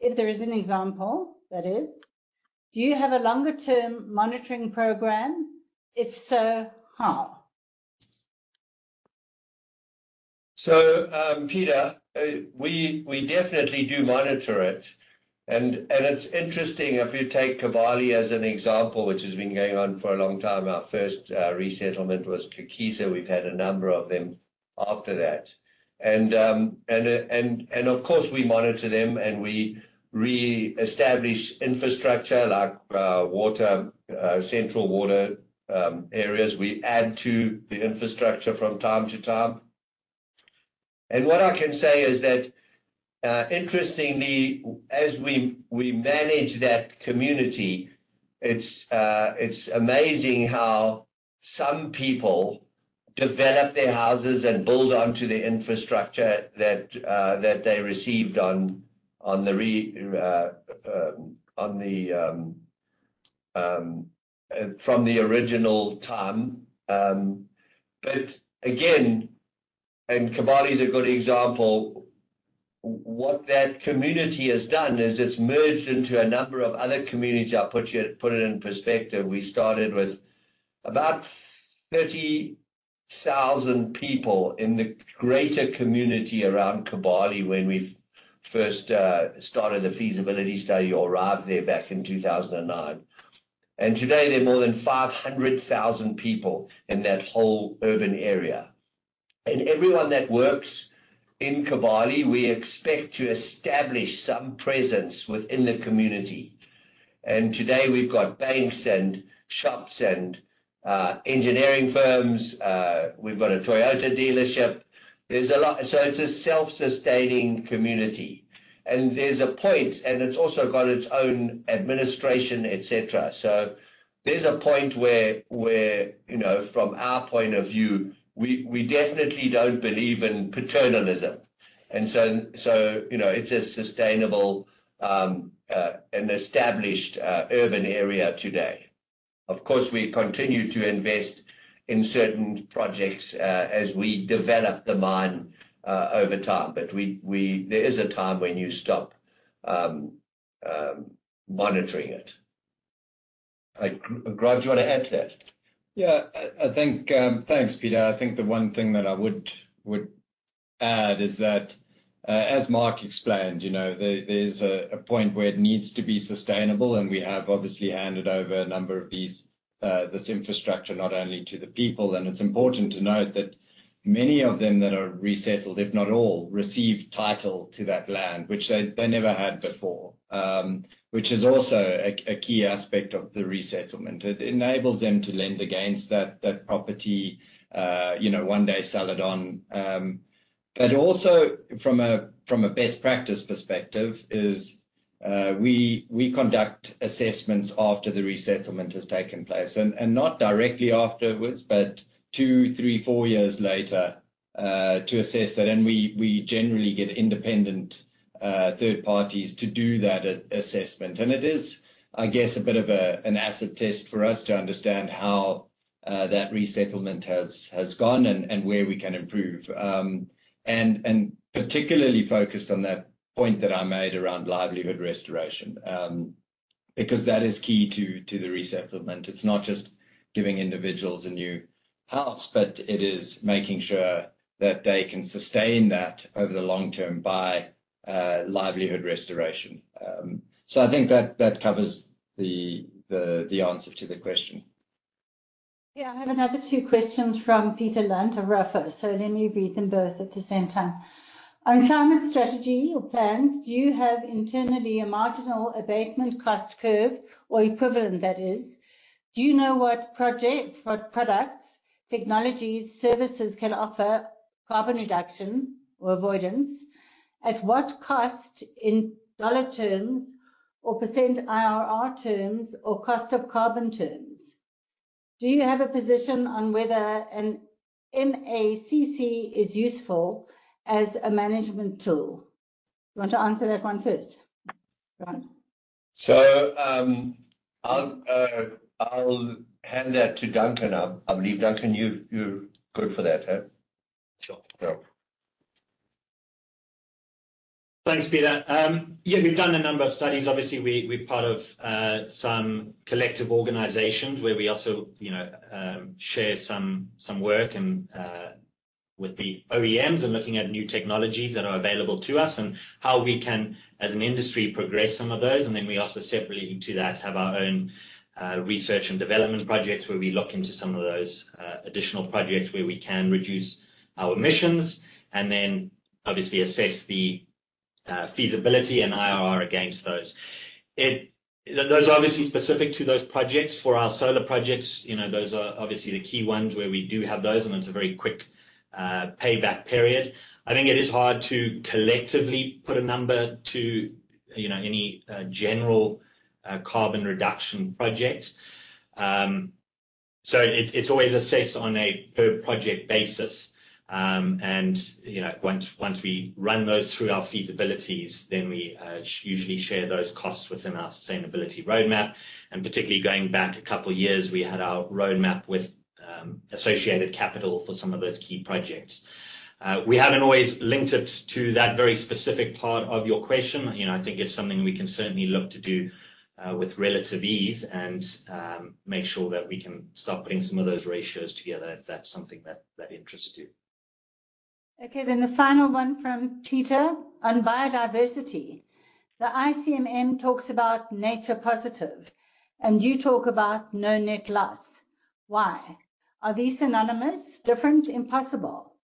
If there is an example, that is. Do you have a longer term monitoring program? If so, how? So, Peter, we definitely do monitor it. It's interesting, if you take Kibali as an example, which has been going on for a long time, our first resettlement was Kokiza. We've had a number of them after that. Of course, we monitor them, and we re-establish infrastructure like water, central water areas. We add to the infrastructure from time to time. What I can say is that, interestingly, as we manage that community, it's amazing how some people develop their houses and build onto the infrastructure that they received from the original time. Kibali is a good example. What that community has done is it's merged into a number of other communities. I'll put it in perspective. We started with about 30,000 people in the greater community around Kibali when we first started the feasibility study or arrived there back in 2009, and today there are more than 500,000 people in that whole urban area. Everyone that works in Kibali, we expect to establish some presence within the community, and today we've got banks and shops and engineering firms. We've got a Toyota dealership. There's a lot. So it's a self-sustaining community, and there's a point, and it's also got its own administration, et cetera. So there's a point where, you know, from our point of view, we definitely don't believe in paternalism, and so, you know, it's a sustainable, an established urban area today. Of course, we continue to invest in certain projects as we develop the mine over time, but there is a time when you stop monitoring it. Like, Grant, do you want to add to that? Yeah, I think... Thanks, Peter. I think the one thing that I would add is that, as Mark explained, you know, there's a point where it needs to be sustainable, and we have obviously handed over a number of these, this infrastructure, not only to the people. And it's important to note that many of them that are resettled, if not all, receive title to that land, which they never had before, which is also a key aspect of the resettlement. It enables them to lend against that property, you know, one day sell it on. But also from a best practice perspective is, we conduct assessments after the resettlement has taken place, and not directly afterwards, but two, three, four years later, to assess that. We generally get independent third parties to do that assessment. It is, I guess, a bit of an acid test for us to understand how that resettlement has gone and where we can improve. And particularly focused on that point that I made around livelihood restoration, because that is key to the resettlement. It's not just giving individuals a new house, but it is making sure that they can sustain that over the long term by livelihood restoration. So I think that covers the answer to the question. Yeah. I have another two questions from Peter Lunt of Ruffer, so let me read them both at the same time. On climate strategy or plans, do you have internally a marginal abatement cost curve or equivalent, that is? Do you know what project, what products, technologies, services can offer carbon reduction or avoidance, at what cost in dollar terms or percent IRR terms or cost of carbon terms? Do you have a position on whether an MACC is useful as a management tool? You want to answer that one first, Grant? So, I'll hand that to Duncan. I believe, Duncan, you're good for that, huh? Sure. Yeah. Thanks, Peter. Yeah, we've done a number of studies. Obviously, we're part of some collective organizations where we also, you know, share some work and with the OEMs and looking at new technologies that are available to us and how we can, as an industry, progress some of those. And then we also separately to that, have our own research and development projects, where we look into some of those additional projects where we can reduce our emissions and then obviously assess the feasibility and IRR against those. Those are obviously specific to those projects. For our solar projects, you know, those are obviously the key ones where we do have those, and it's a very quick payback period. I think it is hard to collectively put a number to, you know, any general carbon reduction project. It's always assessed on a per project basis. You know, once we run those through our feasibilities, then we usually share those costs within our sustainability roadmap. Particularly going back a couple of years, we had our roadmap with associated capital for some of those key projects. We haven't always linked it to that very specific part of your question. You know, I think it's something we can certainly look to do, with relative ease and, make sure that we can start putting some of those ratios together if that's something that interests you. Okay, then the final one from Peter on biodiversity. The ICMM talks about nature positive, and you talk about no net loss. Why? Are these synonymous, different, impossible?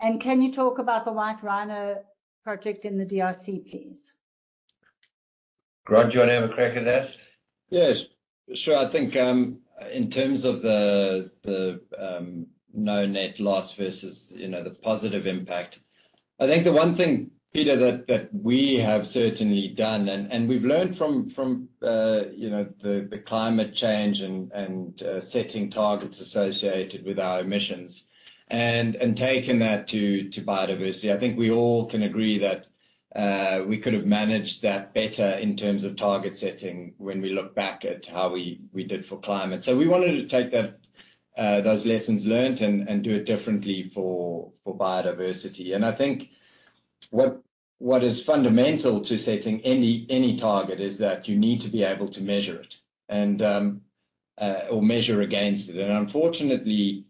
And can you talk about the white rhino project in the DRC, please? Grant, do you wanna have a crack at that? Yes, sure. I think, in terms of the no net loss versus, you know, the positive impact, I think the one thing, Peter, that we have certainly done and we've learned from, you know, the climate change and setting targets associated with our emissions and taken that to biodiversity. I think we all can agree that we could have managed that better in terms of target setting when we look back at how we did for climate. So we wanted to take that those lessons learned and do it differently for biodiversity. And I think what is fundamental to setting any target is that you need to be able to measure it, and or measure against it. Unfortunately,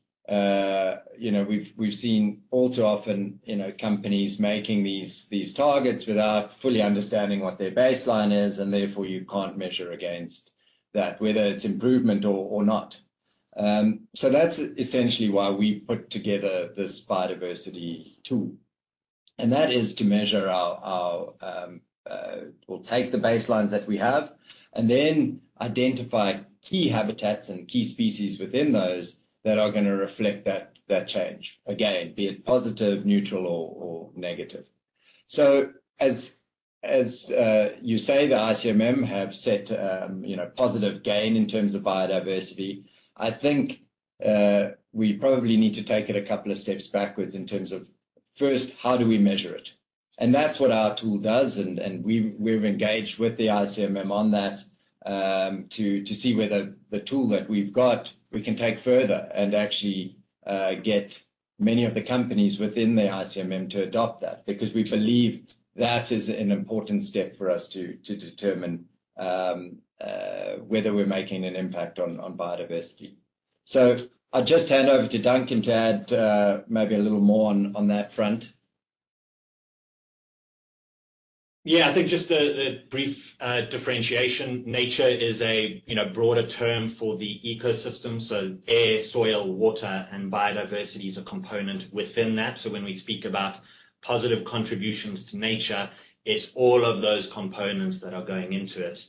you know, we've seen all too often, you know, companies making these targets without fully understanding what their baseline is, and therefore you can't measure against that, whether it's improvement or not. So that's essentially why we've put together this biodiversity tool, and that is to measure our... We'll take the baselines that we have and then identify key habitats and key species within those that are gonna reflect that change. Again, be it positive, neutral, or negative. So as you say, the ICMM have set, you know, positive gain in terms of biodiversity. I think we probably need to take it a couple of steps backwards in terms of, first, how do we measure it? That's what our tool does, and we've engaged with the ICMM on that, to see whether the tool that we've got we can take further and actually get many of the companies within the ICMM to adopt that, because we believe that is an important step for us to determine whether we're making an impact on biodiversity. So I'll just hand over to Duncan to add maybe a little more on that front. Yeah, I think just a brief differentiation. Nature is a, you know, broader term for the ecosystem, so air, soil, water, and biodiversity is a component within that. So when we speak about positive contributions to nature, it's all of those components that are going into it.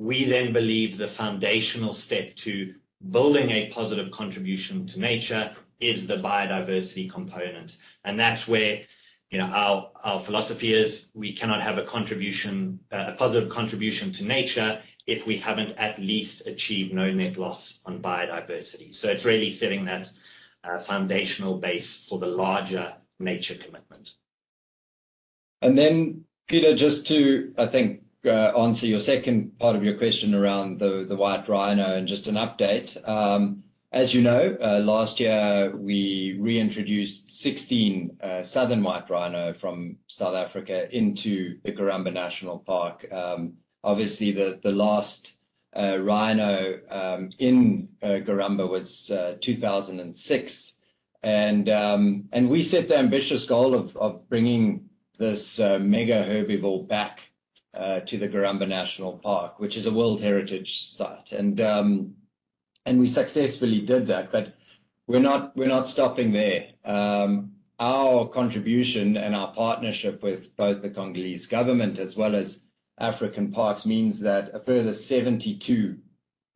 We then believe the foundational step to building a positive contribution to nature is the biodiversity component, and that's where, you know, our philosophy is we cannot have a contribution, a positive contribution to nature if we haven't at least achieved no net loss on biodiversity. So it's really setting that foundational base for the larger nature commitment. And then, Peter, just to, I think, answer your second part of your question around the white rhino, and just an update. As you know, last year we reintroduced 16 southern white rhino from South Africa into the Garamba National Park. Obviously, the last rhino in Garamba was 2006. We set the ambitious goal of bringing this mega herbivore back to the Garamba National Park, which is a World Heritage Site. We successfully did that, but we're not stopping there. Our contribution and our partnership with both the Congolese government as well as African Parks means that a further 72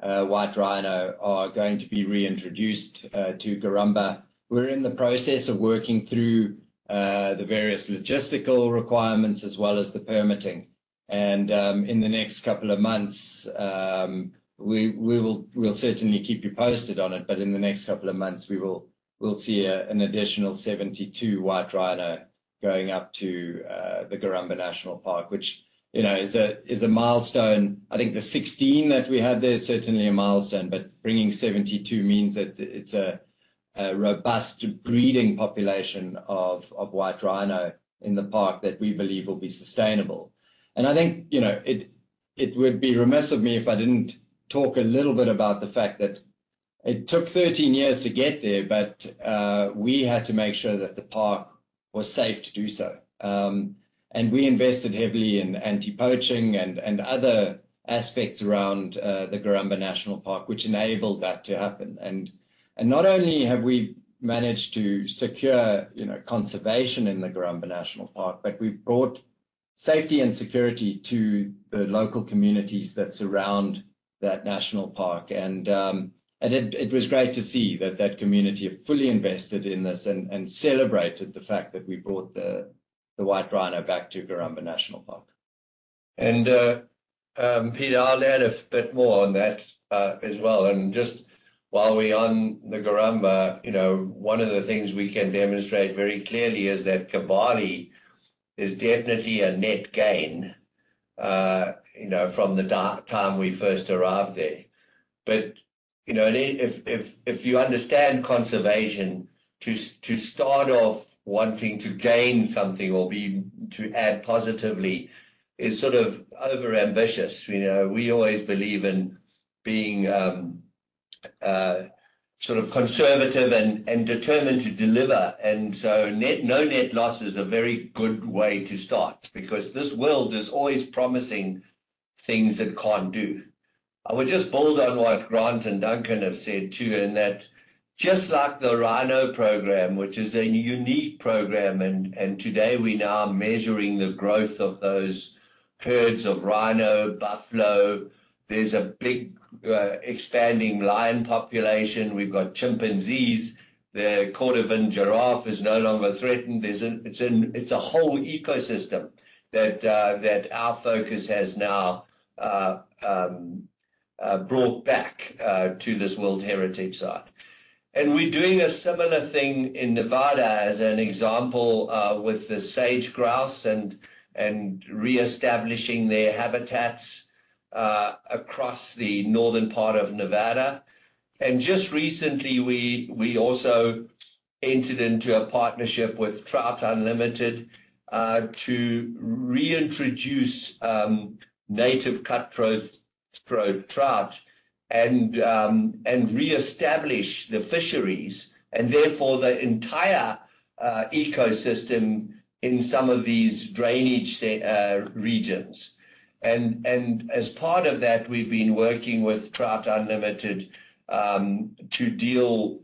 white rhino are going to be reintroduced to Garamba. We're in the process of working through the various logistical requirements as well as the permitting, and in the next couple of months, we'll certainly keep you posted on it, but in the next couple of months, we'll see an additional 72 white rhino going up to the Garamba National Park, which, you know, is a milestone. I think the 16 that we had there is certainly a milestone, but bringing 72 means that it's a robust breeding population of white rhino in the park that we believe will be sustainable. And I think, you know, it would be remiss of me if I didn't talk a little bit about the fact that it took 13 years to get there, but we had to make sure that the park was safe to do so. And we invested heavily in anti-poaching and other aspects around the Garamba National Park, which enabled that to happen. And not only have we managed to secure, you know, conservation in the Garamba National Park, but we've brought safety and security to the local communities that surround that national park, and it was great to see that community fully invested in this and celebrated the fact that we brought the white rhino back to Garamba National Park.... And, Peter, I'll add a bit more on that, as well. Just while we're on the Garamba, you know, one of the things we can demonstrate very clearly is that Kibali is definitely a net gain, you know, from the time we first arrived there. But, you know, if you understand conservation, to start off wanting to gain something or to add positively is sort of overambitious. You know, we always believe in being sort of conservative and determined to deliver, and so no net loss is a very good way to start, because this world is always promising things it can't do. I would just build on what Grant and Duncan have said, too, in that just like the rhino program, which is a unique program, and today we now are measuring the growth of those herds of rhino, buffalo. There's a big expanding lion population. We've got chimpanzees. The Rothschild giraffe is no longer threatened. There's a... It's an, it's a whole ecosystem that our focus has now brought back to this World Heritage site. And we're doing a similar thing in Nevada as an example with the sage grouse and reestablishing their habitats across the northern part of Nevada. And just recently we also entered into a partnership with Trout Unlimited to reintroduce native cutthroat trout and reestablish the fisheries, and therefore, the entire ecosystem in some of these drainage regions. And as part of that, we've been working with Trout Unlimited to deal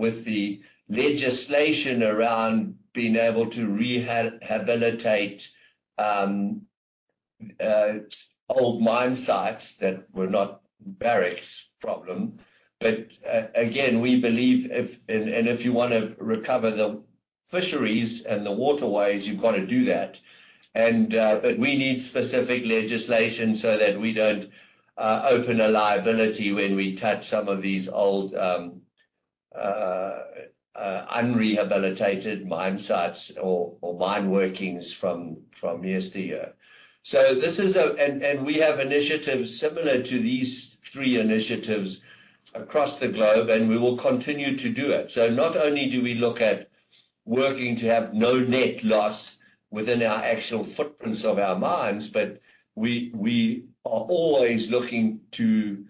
with the legislation around being able to rehabilitate old mine sites that were not Barrick's problem. But again, we believe, and if you wanna recover the fisheries and the waterways, you've got to do that. But we need specific legislation so that we don't open a liability when we touch some of these old un-rehabilitated mine sites or mine workings from yesteryear. So this is a... And we have initiatives similar to these three initiatives across the globe, and we will continue to do it. So not only do we look at working to have no net loss within our actual footprints of our mines, but we are always looking to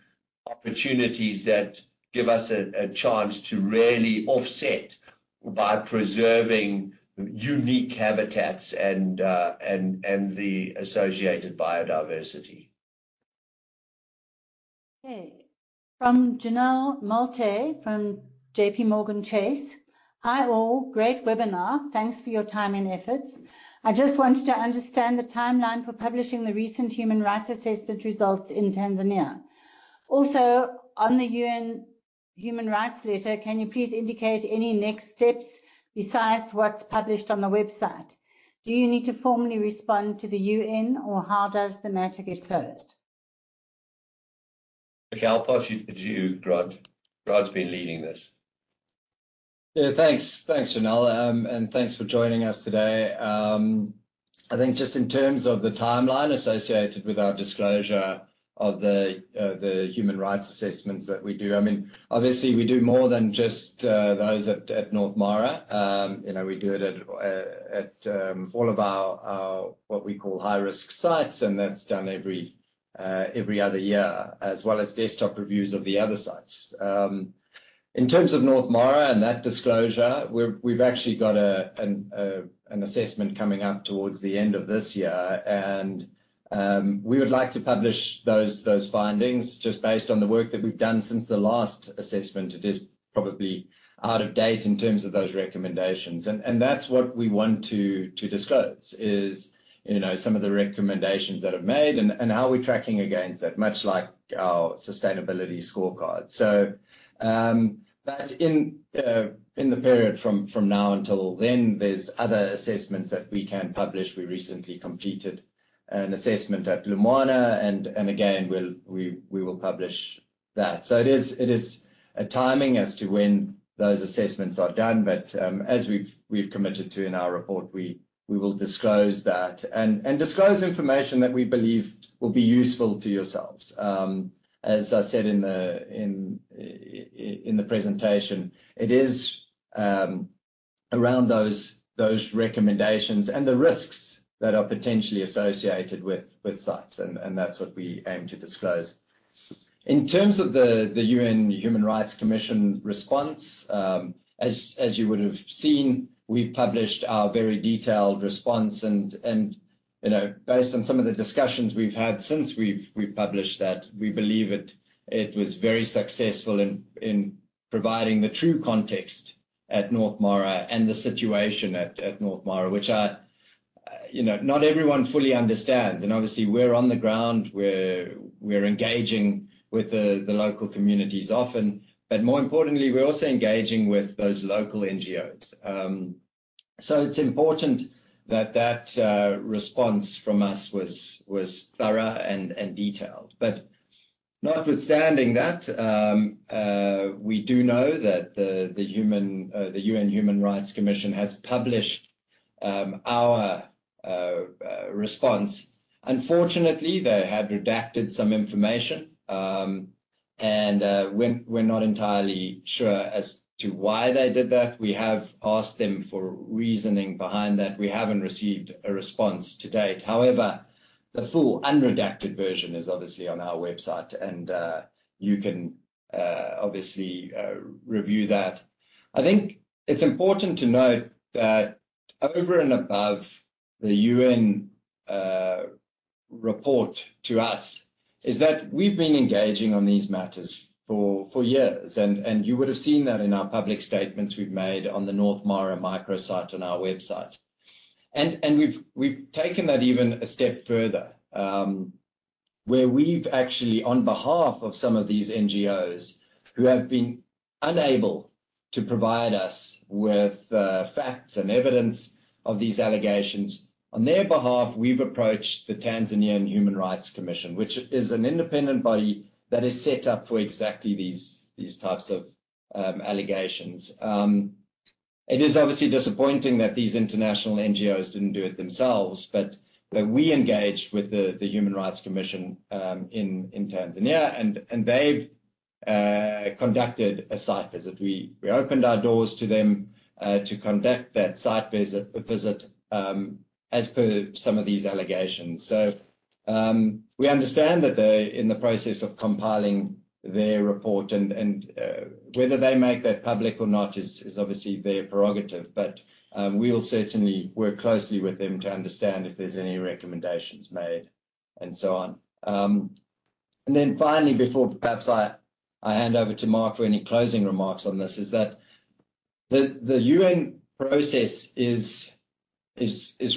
opportunities that give us a chance to really offset by preserving unique habitats and the associated biodiversity. Okay. From Janell Matie, from JPMorgan Chase: "Hi, all. Great webinar. Thanks for your time and efforts. I just wanted to understand the timeline for publishing the recent human rights assessment results in Tanzania. Also, on the UN Human Rights letter, can you please indicate any next steps besides what's published on the website? Do you need to formally respond to the UN, or how does the matter get closed? Okay, I'll pass you to you, Grant. Grant's been leading this. Yeah, thanks. Thanks, Janelle, and thanks for joining us today. I think just in terms of the timeline associated with our disclosure of the human rights assessments that we do, I mean, obviously we do more than just those at North Mara. You know, we do it at all of our what we call high-risk sites, and that's done every other year, as well as desktop reviews of the other sites. In terms of North Mara and that disclosure, we've actually got an assessment coming up towards the end of this year, and we would like to publish those findings. Just based on the work that we've done since the last assessment, it is probably out of date in terms of those recommendations. That's what we want to disclose, is, you know, some of the recommendations that are made and how we're tracking against that, much like our sustainability scorecard. But in the period from now until then, there's other assessments that we can publish. We recently completed an assessment at Lumwana, and again, we will publish that. It is a timing as to when those assessments are done, but as we've committed to in our report, we will disclose that and disclose information that we believe will be useful to yourselves. As I said in the presentation, it is around those recommendations and the risks that are potentially associated with sites, and that's what we aim to disclose. In terms of the UN Human Rights Commission response, as you would have seen, we've published our very detailed response. And you know, based on some of the discussions we've had since we've published that, we believe it was very successful in providing the true context at North Mara and the situation at North Mara, which you know, not everyone fully understands, and obviously we're on the ground, we're engaging with the local communities often. But more importantly, we're also engaging with those local NGOs. So it's important that that response from us was thorough and detailed. But notwithstanding that, we do know that the human the UN Human Rights Commission has published our response. Unfortunately, they have redacted some information, and we're not entirely sure as to why they did that. We have asked them for reasoning behind that. We haven't received a response to date. However, the full unredacted version is obviously on our website, and you can obviously review that. I think it's important to note that over and above the UN report to us, is that we've been engaging on these matters for years, and you would have seen that in our public statements we've made on the North Mara microsite on our website. And we've taken that even a step further, where we've actually, on behalf of some of these NGOs who have been unable to provide us with facts and evidence of these allegations, on their behalf, we've approached the Tanzanian Human Rights Commission, which is an independent body that is set up for exactly these types of allegations. It is obviously disappointing that these international NGOs didn't do it themselves, but we engaged with the Human Rights Commission in Tanzania, and they've conducted a site visit. We opened our doors to them to conduct that site visit as per some of these allegations. So, we understand that they're in the process of compiling their report, and whether they make that public or not is obviously their prerogative, but we'll certainly work closely with them to understand if there's any recommendations made and so on. And then finally, before perhaps I hand over to Mark for any closing remarks on this, is that the UN process is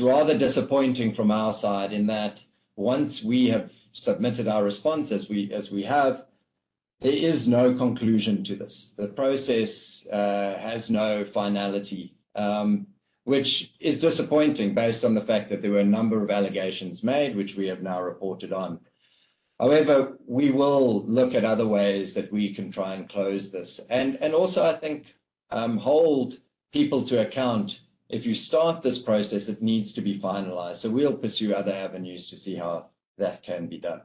rather disappointing from our side, in that once we have submitted our response, as we have, there is no conclusion to this. The process has no finality, which is disappointing based on the fact that there were a number of allegations made, which we have now reported on. However, we will look at other ways that we can try and close this, and also, I think, hold people to account. If you start this process, it needs to be finalized, so we'll pursue other avenues to see how that can be done.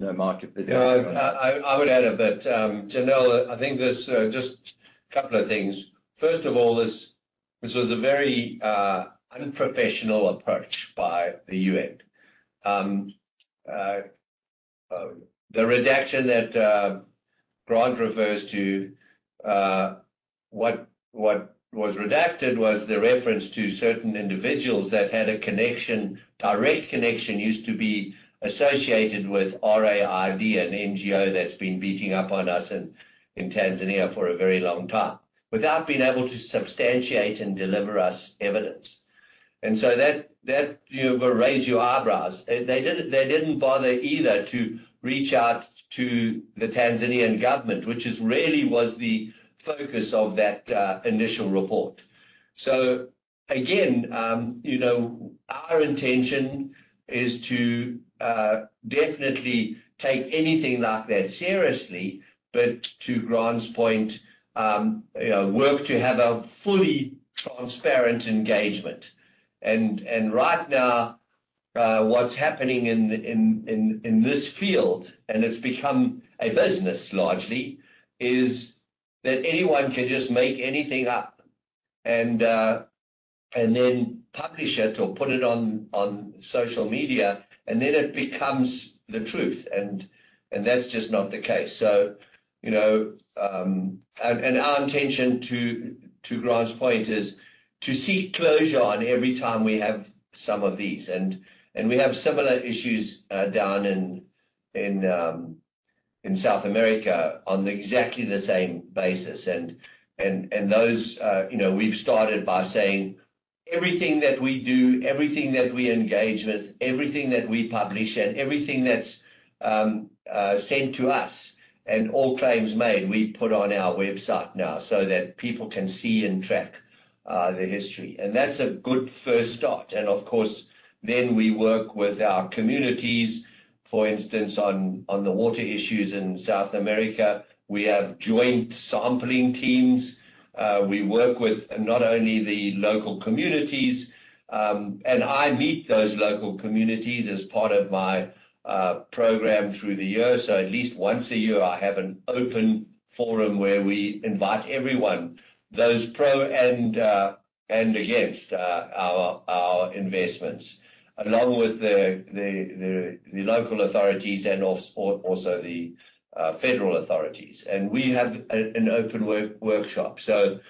Now, Mark, if there's- No, I would add a bit. Janelle, I think there's just a couple of things. First of all, this was a very unprofessional approach by the UN. The redaction that Grant refers to, what was redacted was the reference to certain individuals that had a connection, direct connection, used to be associated with RAID, an NGO that's been beating up on us in Tanzania for a very long time, without being able to substantiate and deliver us evidence. And so that, you know, will raise your eyebrows. They didn't bother either to reach out to the Tanzanian government, which really was the focus of that initial report. So again, you know, our intention is to definitely take anything like that seriously, but to Grant's point, you know, work to have a fully transparent engagement. And right now, what's happening in this field, and it's become a business largely, is that anyone can just make anything up and then publish it or put it on social media, and then it becomes the truth, and that's just not the case. So, you know, our intention to Grant's point is to seek closure on every time we have some of these. And we have similar issues down in South America on exactly the same basis. Those, you know, we've started by saying everything that we do, everything that we engage with, everything that we publish, and everything that's sent to us, and all claims made, we put on our website now so that people can see and track the history. That's a good first start, and of course, then we work with our communities. For instance, on the water issues in South America, we have joint sampling teams. We work with not only the local communities, and I meet those local communities as part of my program through the year. So at least once a year I have an open forum where we invite everyone, those pro and against our investments, along with the local authorities and also the federal authorities. We have an open workshop. So,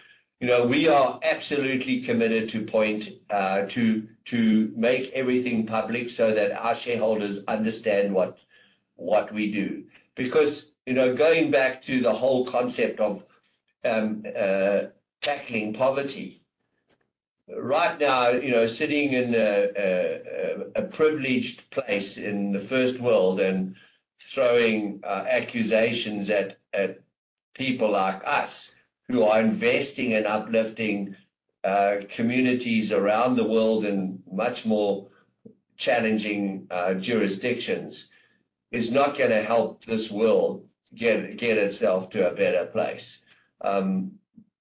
you know, we are absolutely committed to point to make everything public so that our shareholders understand what we do. Because, you know, going back to the whole concept of tackling poverty, right now, you know, sitting in a privileged place in the first world and throwing accusations at people like us who are investing and uplifting communities around the world in much more challenging jurisdictions, is not gonna help this world get itself to a better place.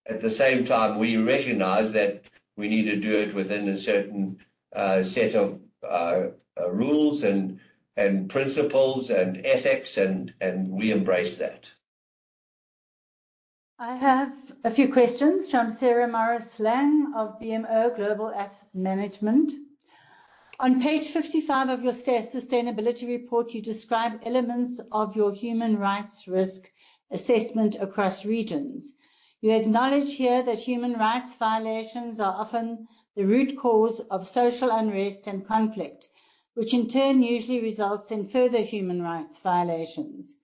At the same time, we recognize that we need to do it within a certain set of rules and principles and ethics, and we embrace that. I have a few questions from Sarah Morris Lang of BMO Global Asset Management. On page 55 of your sustainability report, you describe elements of your human rights risk assessment across regions. You acknowledge here that human rights violations are often the root cause of social unrest and conflict, which in turn usually results in further human rights violations.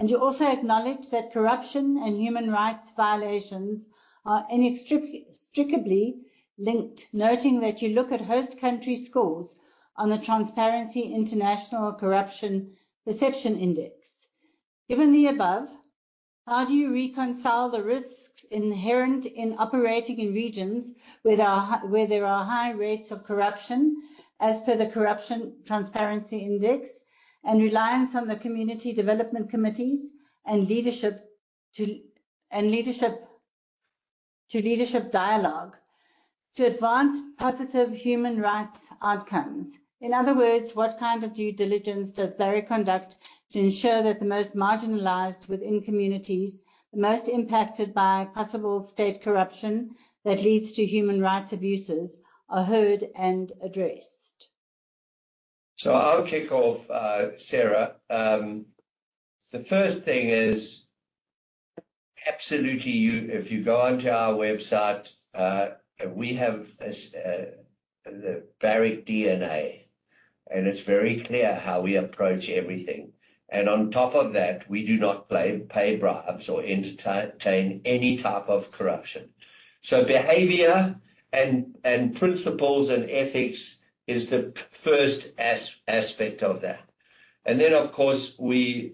You also acknowledge that corruption and human rights violations are inextricably linked, noting that you look at host country scores on the Transparency International Corruption Perceptions Index. Given the above, how do you reconcile the risks inherent in operating in regions where there are high rates of corruption, as per the Corruption Perceptions Index, and reliance on the community development committees and leadership-to-leadership dialogue to advance positive human rights outcomes? In other words, what kind of due diligence does Barrick conduct to ensure that the most marginalized within communities, the most impacted by possible state corruption that leads to human rights abuses, are heard and addressed? So I'll kick off, Sarah. The first thing is, absolutely, you if you go onto our website, we have this, the Barrick DNA, and it's very clear how we approach everything, and on top of that, we do not pay bribes or entertain any type of corruption. So behavior and principles and ethics is the first aspect of that. And then, of course, we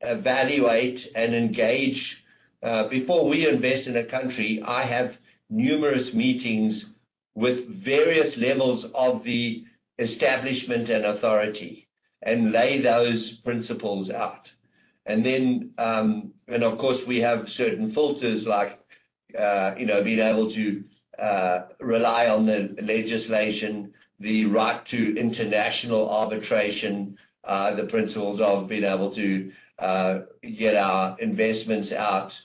evaluate and engage. Before we invest in a country, I have numerous meetings with various levels of the establishment and authority and lay those principles out. And then, of course, we have certain filters like, you know, being able to rely on the legislation, the right to international arbitration, the principles of being able to get our investments out.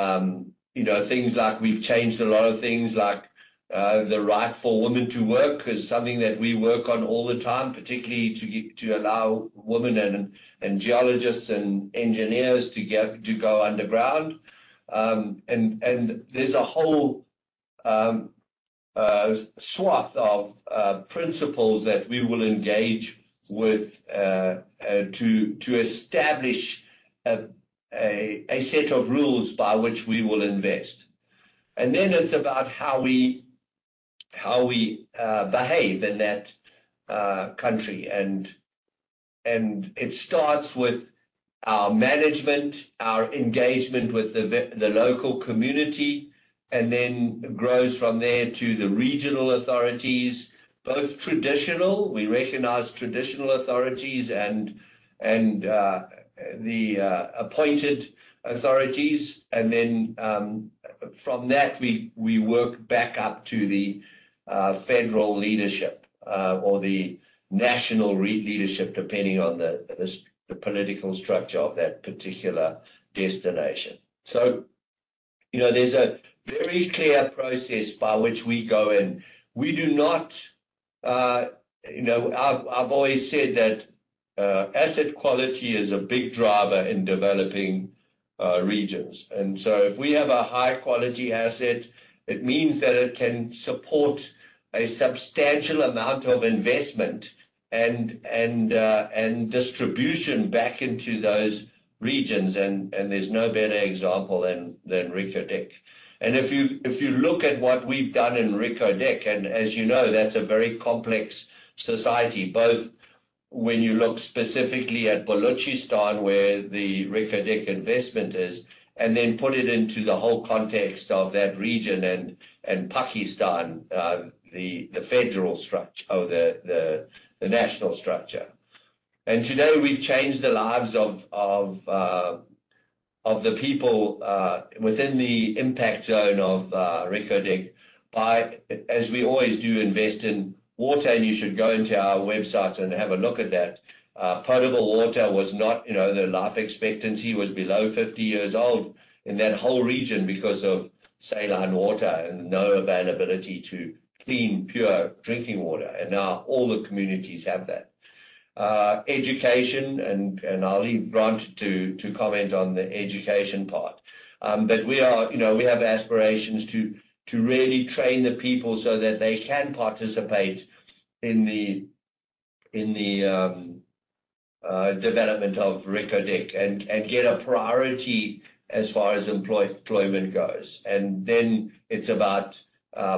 You know, things like we've changed a lot of things like the right for women to work is something that we work on all the time, particularly to allow women and geologists and engineers to go underground. And there's a whole swath of principles that we will engage with to establish a set of rules by which we will invest. And then it's about how we behave in that country. And it starts with our management, our engagement with the local community, and then grows from there to the regional authorities, both traditional, we recognize traditional authorities and the appointed authorities. Then, from that, we work back up to the federal leadership or the national leadership, depending on the political structure of that particular destination. So, you know, there's a very clear process by which we go in. We do not, you know, I've always said that asset quality is a big driver in developing regions. And so if we have a high-quality asset, it means that it can support a substantial amount of investment and distribution back into those regions, and there's no better example than Reko Diq. If you look at what we've done in Reko Diq, and as you know, that's a very complex society, both when you look specifically at Balochistan, where the Reko Diq investment is, and then put it into the whole context of that region and Pakistan, the federal structure or the national structure. And today we've changed the lives of the people within the impact zone of Reko Diq, by, as we always do, invest in water, and you should go into our website and have a look at that. Potable water was not, you know, the life expectancy was below 50 years old in that whole region because of saline water and no availability to clean, pure drinking water, and now all the communities have that. Education, and I'll leave Grant to comment on the education part. But we are, you know, we have aspirations to really train the people so that they can participate in the development of Reko Diq, and get a priority as far as employment goes. And then it's about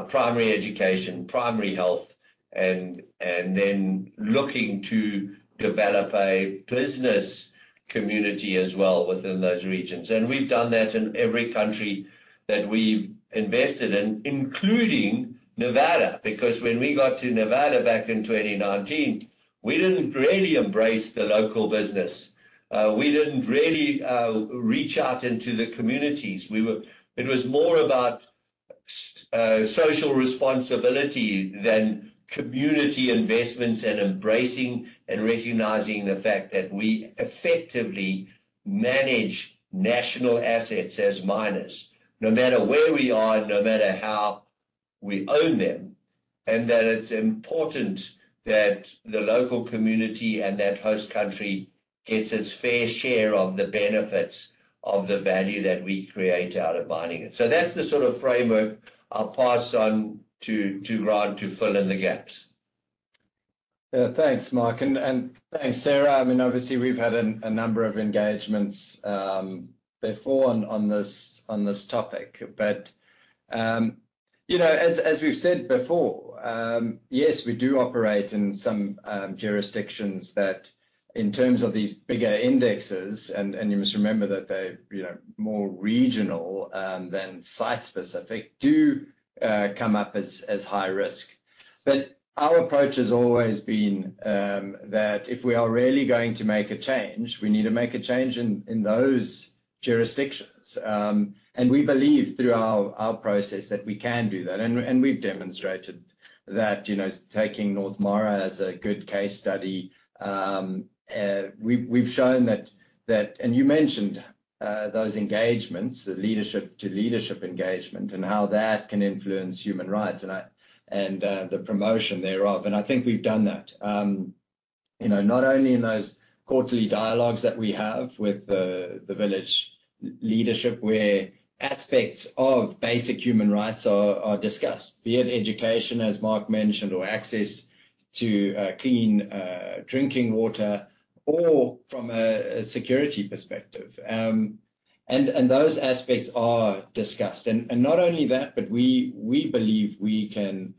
primary education, primary health, and then looking to develop a business community as well within those regions. And we've done that in every country that we've invested in, including Nevada, because when we got to Nevada back in 2019, we didn't really embrace the local business. We didn't really reach out into the communities. It was more about social responsibility than community investments and embracing and recognizing the fact that we effectively manage national assets as miners, no matter where we are, no matter how we own them, and that it's important that the local community and that host country gets its fair share of the benefits of the value that we create out of mining it. So that's the sort of framework I'll pass on to Grant to fill in the gaps. Yeah, thanks, Mark, and thanks, Sarah. I mean, obviously, we've had a number of engagements before on this topic, but you know, as we've said before, yes, we do operate in some jurisdictions that, in terms of these bigger indexes, and you must remember that they're you know, more regional than site-specific do come up as high risk. But our approach has always been that if we are really going to make a change, we need to make a change in those jurisdictions. And we believe through our process that we can do that, and we've demonstrated that, you know, taking North Mara as a good case study. We've shown that... And you mentioned those engagements, the leadership-to-leadership engagement, and how that can influence human rights, and the promotion thereof, and I think we've done that. You know, not only in those quarterly dialogues that we have with the village leadership, where aspects of basic human rights are discussed, be it education, as Mark mentioned, or access to clean drinking water, or from a security perspective. And those aspects are discussed. And not only that, but we believe we can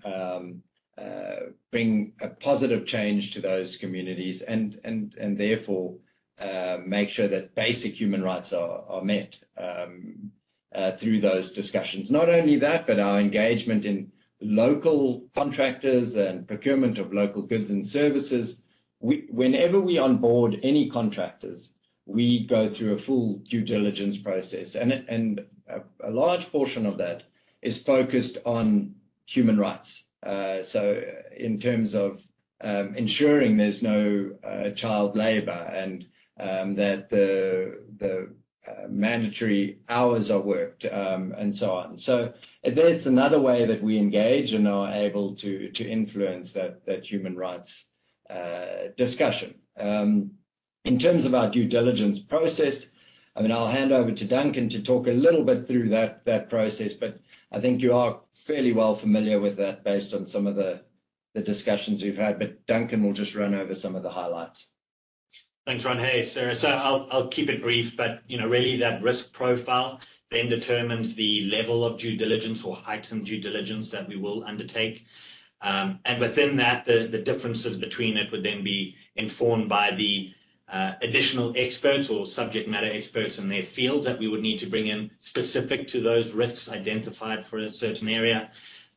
bring a positive change to those communities, and therefore make sure that basic human rights are met through those discussions. Not only that, but our engagement in local contractors and procurement of local goods and services. Whenever we onboard any contractors, we go through a full due diligence process, and a large portion of that is focused on human rights. So in terms of ensuring there's no child labor, and that the mandatory hours are worked, and so on. So there's another way that we engage and are able to influence that human rights discussion. In terms of our due diligence process, I mean, I'll hand over to Duncan to talk a little bit through that process, but I think you are fairly well familiar with that based on some of the discussions we've had, but Duncan will just run over some of the highlights. Thanks, Grant. Hey, Sarah. So I'll keep it brief, but, you know, really, that risk profile then determines the level of due diligence or heightened due diligence that we will undertake. And within that, the differences between it would then be informed by the additional experts or subject matter experts in their fields that we would need to bring in, specific to those risks identified for a certain area.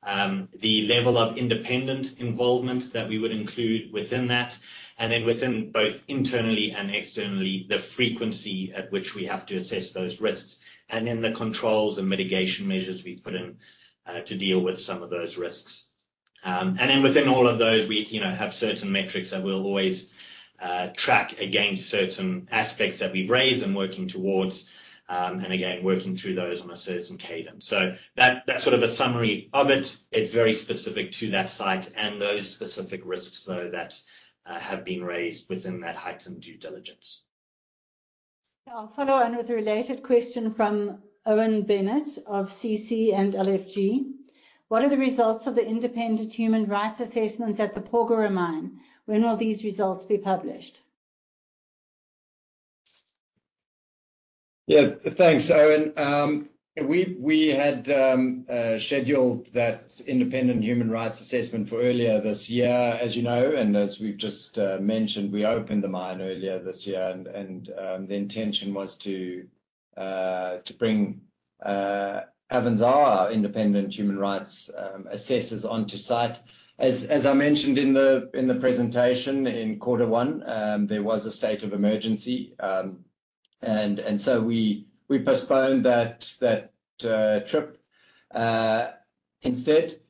The level of independent involvement that we would include within that, and then within both internally and externally, the frequency at which we have to assess those risks, and then the controls and mitigation measures we put in to deal with some of those risks. And then within all of those, we, you know, have certain metrics that we'll always track against certain aspects that we've raised and working towards, and again, working through those on a certain cadence. So that, that's sort of a summary of it. It's very specific to that site and those specific risks, though, that have been raised within that heightened due diligence. I'll follow on with a related question from Owen Bennett of CC&L FG: What are the results of the independent human rights assessments at the Porgera mine? When will these results be published? Yeah. Thanks, Owen. We had scheduled that independent human rights assessment for earlier this year, as you know, and as we've just mentioned, we opened the mine earlier this year, and the intention was to bring Avanzar, our independent human rights assessors, onto site. As I mentioned in the presentation, in quarter one, there was a state of emergency. And so we postponed that trip. Instead,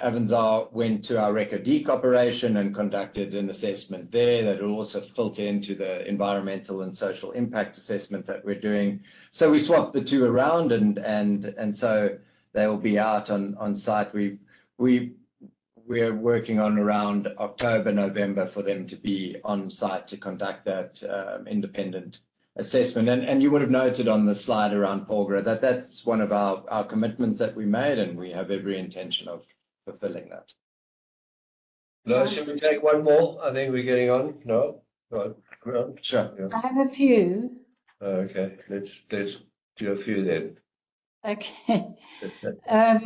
Avanzar went to our Reko Diq operation and conducted an assessment there that also fed into the environmental and social impact assessment that we're doing. So we swapped the two around, and so they will be out on site. We're working on around October, November for them to be on site to conduct that independent assessment. And you would've noted on the slide around Porgera that that's one of our commitments that we made, and we have every intention of fulfilling that. Now, should we take one more? I think we're getting on. No? No, sure, yeah. I have a few. Oh, okay. Let's, let's do a few then. Okay.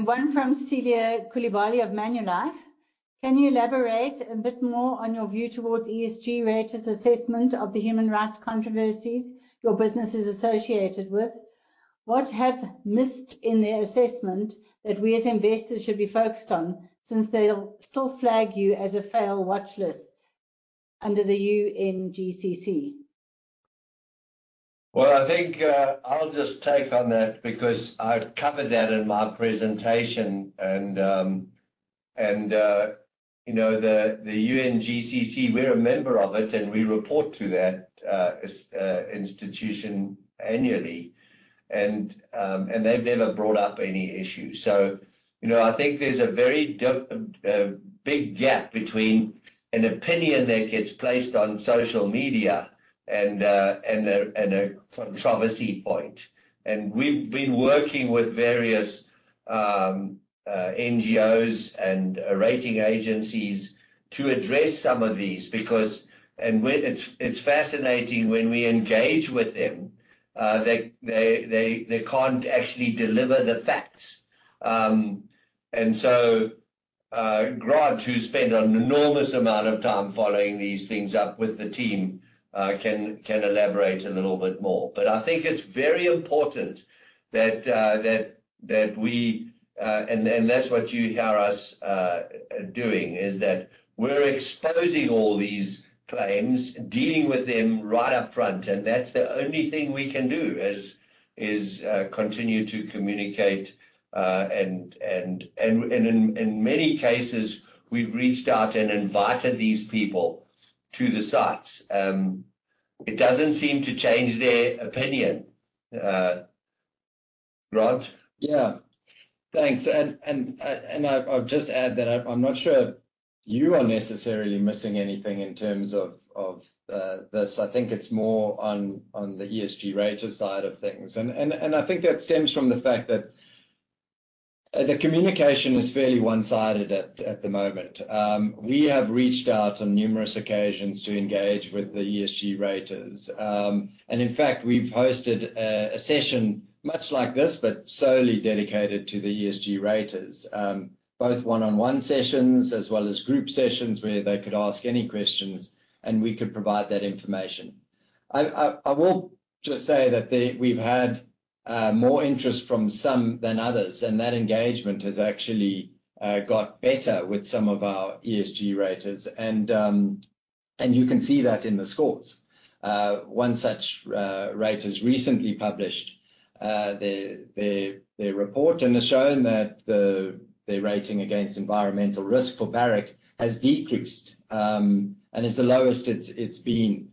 One from Celia Coulibaly of Manulife: "Can you elaborate a bit more on your view towards ESG raters' assessment of the human rights controversies your business is associated with? What have they missed in their assessment that we, as investors, should be focused on, since they'll still flag you as a fail watchlist under the UNGCC? Well, I think I'll just take on that because I've covered that in my presentation. And you know, the UNGCC, we're a member of it, and we report to that institution annually, and they've never brought up any issue. So, you know, I think there's a very definite big gap between an opinion that gets placed on social media and a controversy point. And we've been working with various NGOs and rating agencies to address some of these, because... And it's fascinating, when we engage with them, they can't actually deliver the facts. And so, Grant, who spent an enormous amount of time following these things up with the team, can elaborate a little bit more. But I think it's very important that that's what you hear us doing, is that we're exposing all these claims, dealing with them right up front, and that's the only thing we can do, is continue to communicate. In many cases, we've reached out and invited these people to the sites. It doesn't seem to change their opinion, Grant? Yeah. Thanks. And I’ll just add that I’m not sure you are necessarily missing anything in terms of this. I think it’s more on the ESG rater side of things. And I think that stems from the fact that the communication is fairly one-sided at the moment. We have reached out on numerous occasions to engage with the ESG raters. And in fact, we’ve hosted a session much like this, but solely dedicated to the ESG raters. Both one-on-one sessions as well as group sessions, where they could ask any questions, and we could provide that information. I will just say that they've had more interest from some than others, and that engagement has actually got better with some of our ESG raters, and you can see that in the scores. One such rater has recently published their report and has shown that the rating against environmental risk for Barrick has decreased, and is the lowest it's been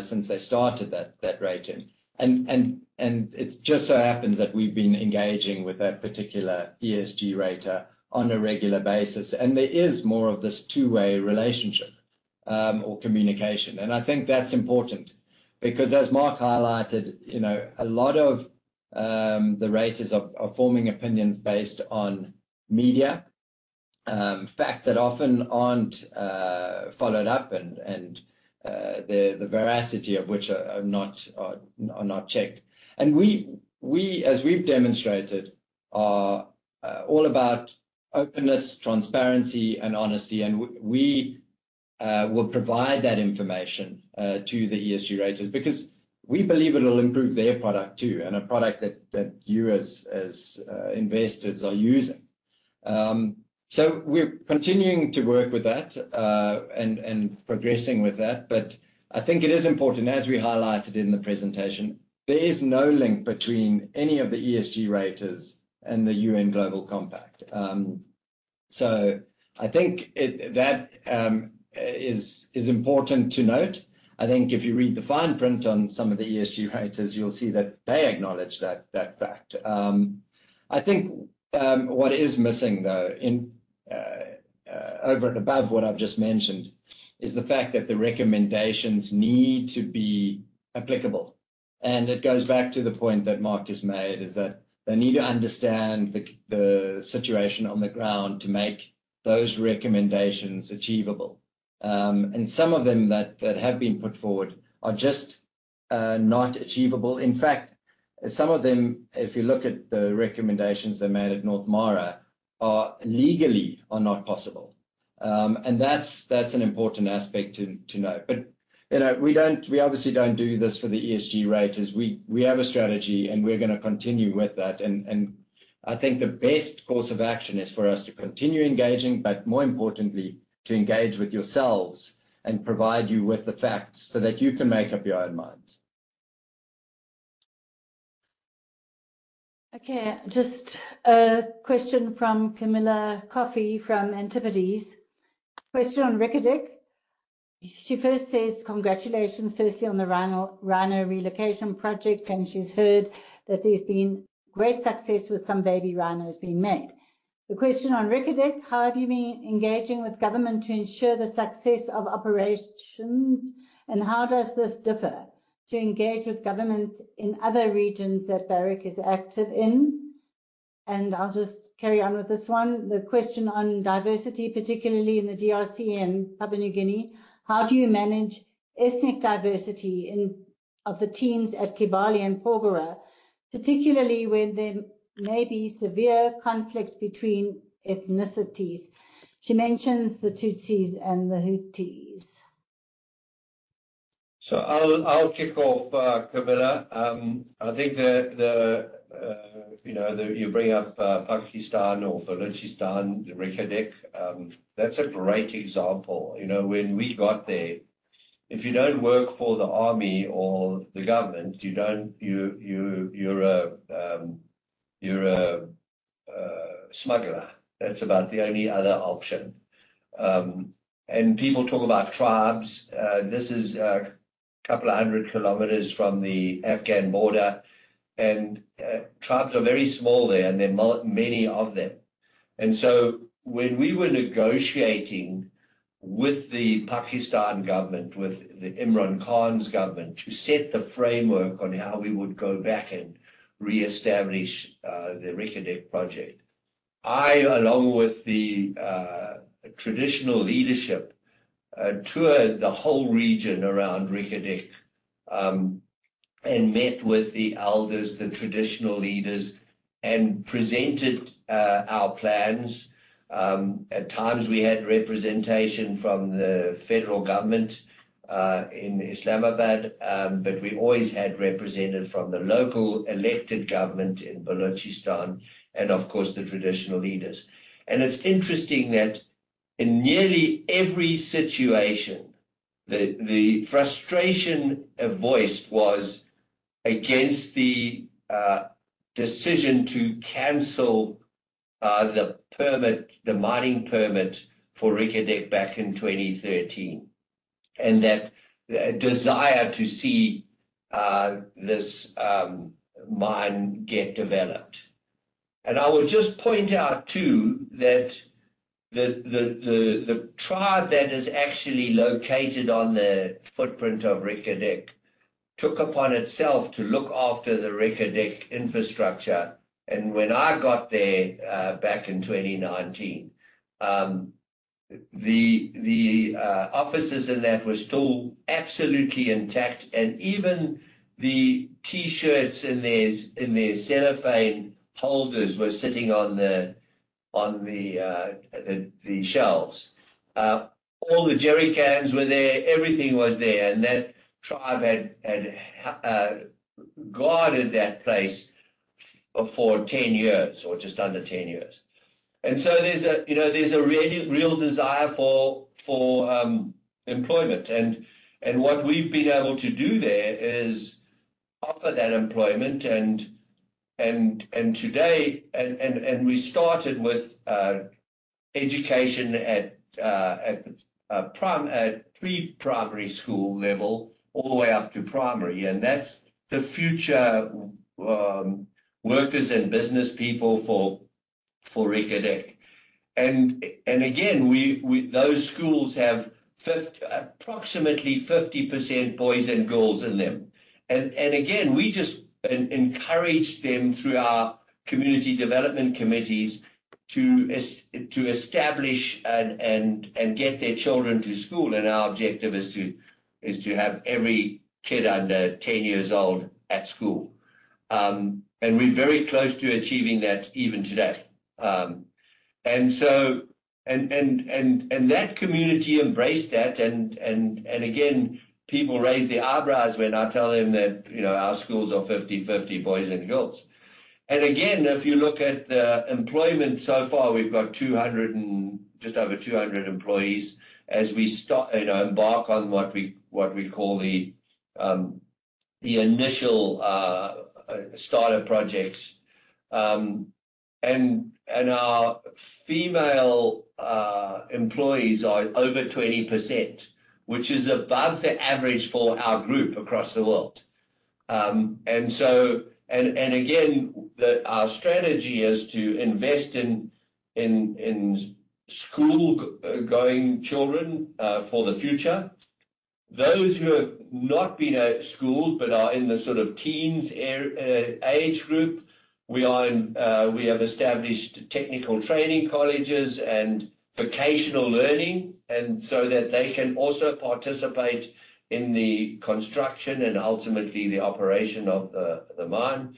since they started that rating. And it just so happens that we've been engaging with that particular ESG rater on a regular basis, and there is more of this two-way relationship or communication. I think that's important because as Mark highlighted, you know, a lot of the raters are forming opinions based on media facts that often aren't followed up, and the veracity of which are not checked. And we, as we've demonstrated, are all about openness, transparency, and honesty, and we will provide that information to the ESG raters because we believe it'll improve their product too, and a product that you as investors are using. So we're continuing to work with that and progressing with that. But I think it is important, as we highlighted in the presentation, there is no link between any of the ESG raters and the UN Global Compact. So I think that is important to note. I think if you read the fine print on some of the ESG raters, you'll see that they acknowledge that fact. I think what is missing, though, in over and above what I've just mentioned, is the fact that the recommendations need to be applicable. And it goes back to the point that Mark has made, is that they need to understand the situation on the ground to make those recommendations achievable. And some of them that have been put forward are just not achievable. In fact, some of them, if you look at the recommendations they made at North Mara, are legally not possible. And that's an important aspect to note. But, you know, we don't... we obviously don't do this for the ESG raters. We have a strategy, and we're gonna continue with that. And I think the best course of action is for us to continue engaging, but more importantly, to engage with yourselves and provide you with the facts, so that you can make up your own minds. Okay, just a question from Camilla Coffey, from Antipodes. Question on Reko Diq. She first says congratulations, firstly on the rhino, rhino relocation project, and she's heard that there's been great success with some baby rhinos being made. The question on Reko Diq, how have you been engaging with government to ensure the success of operations, and how does this differ?... to engage with government in other regions that Barrick is active in? And I'll just carry on with this one. The question on diversity, particularly in the DRC and Papua New Guinea, how do you manage ethnic diversity in, of the teams at Kibali and Porgera, particularly when there may be severe conflict between ethnicities? She mentions the Tutsis and the Hutus. So I'll kick off, Camilla. I think that you know, you bring up Pakistan or Balochistan, the Reko Diq, that's a great example. You know, when we got there, if you don't work for the army or the government, you're a smuggler. That's about the only other option. And people talk about tribes. This is a couple of hundred kilometers from the Afghan border, and tribes are very small there, and there are many of them. So when we were negotiating with the Pakistan government, with the Imran Khan's government, to set the framework on how we would go back and reestablish the Reko Diq project, I, along with the traditional leadership, toured the whole region around Reko Diq and met with the elders, the traditional leaders, and presented our plans. At times, we had representation from the federal government in Islamabad, but we always had representatives from the local elected government in Balochistan and, of course, the traditional leaders. It's interesting that in nearly every situation, the frustration voiced was against the decision to cancel the permit, the mining permit for Reko Diq back in 2013, and that desire to see this mine get developed. I would just point out, too, that the tribe that is actually located on the footprint of Reko Diq took upon itself to look after the Reko Diq infrastructure. And when I got there, back in 2019, the offices in there were still absolutely intact, and even the T-shirts in their cellophane holders were sitting on the shelves. All the jerrycans were there, everything was there, and that tribe had guarded that place for 10 years or just under 10 years. And so there's a, you know, there's a really real desire for employment, and what we've been able to do there is offer that employment and today and we started with education at prim... at pre-primary school level all the way up to primary, and that's the future, workers and business people for Reko Diq. And again, we, those schools have approximately 50% boys and girls in them. And again, we just encourage them through our community development committees to establish and get their children to school, and our objective is to have every kid under 10 years old at school. And we're very close to achieving that even today. And so, that community embraced that and again, people raise their eyebrows when I tell them that, you know, our schools are 50/50 boys and girls. And again, if you look at the employment, so far, we've got 200 and just over 200 employees as we start, you know, embark on what we call the initial starter projects. And again, our strategy is to invest in school-going children for the future. Those who have not been at school but are in the sort of teens era age group, we have established technical training colleges and vocational learning, and so that they can also participate in the construction and ultimately the operation of the mine.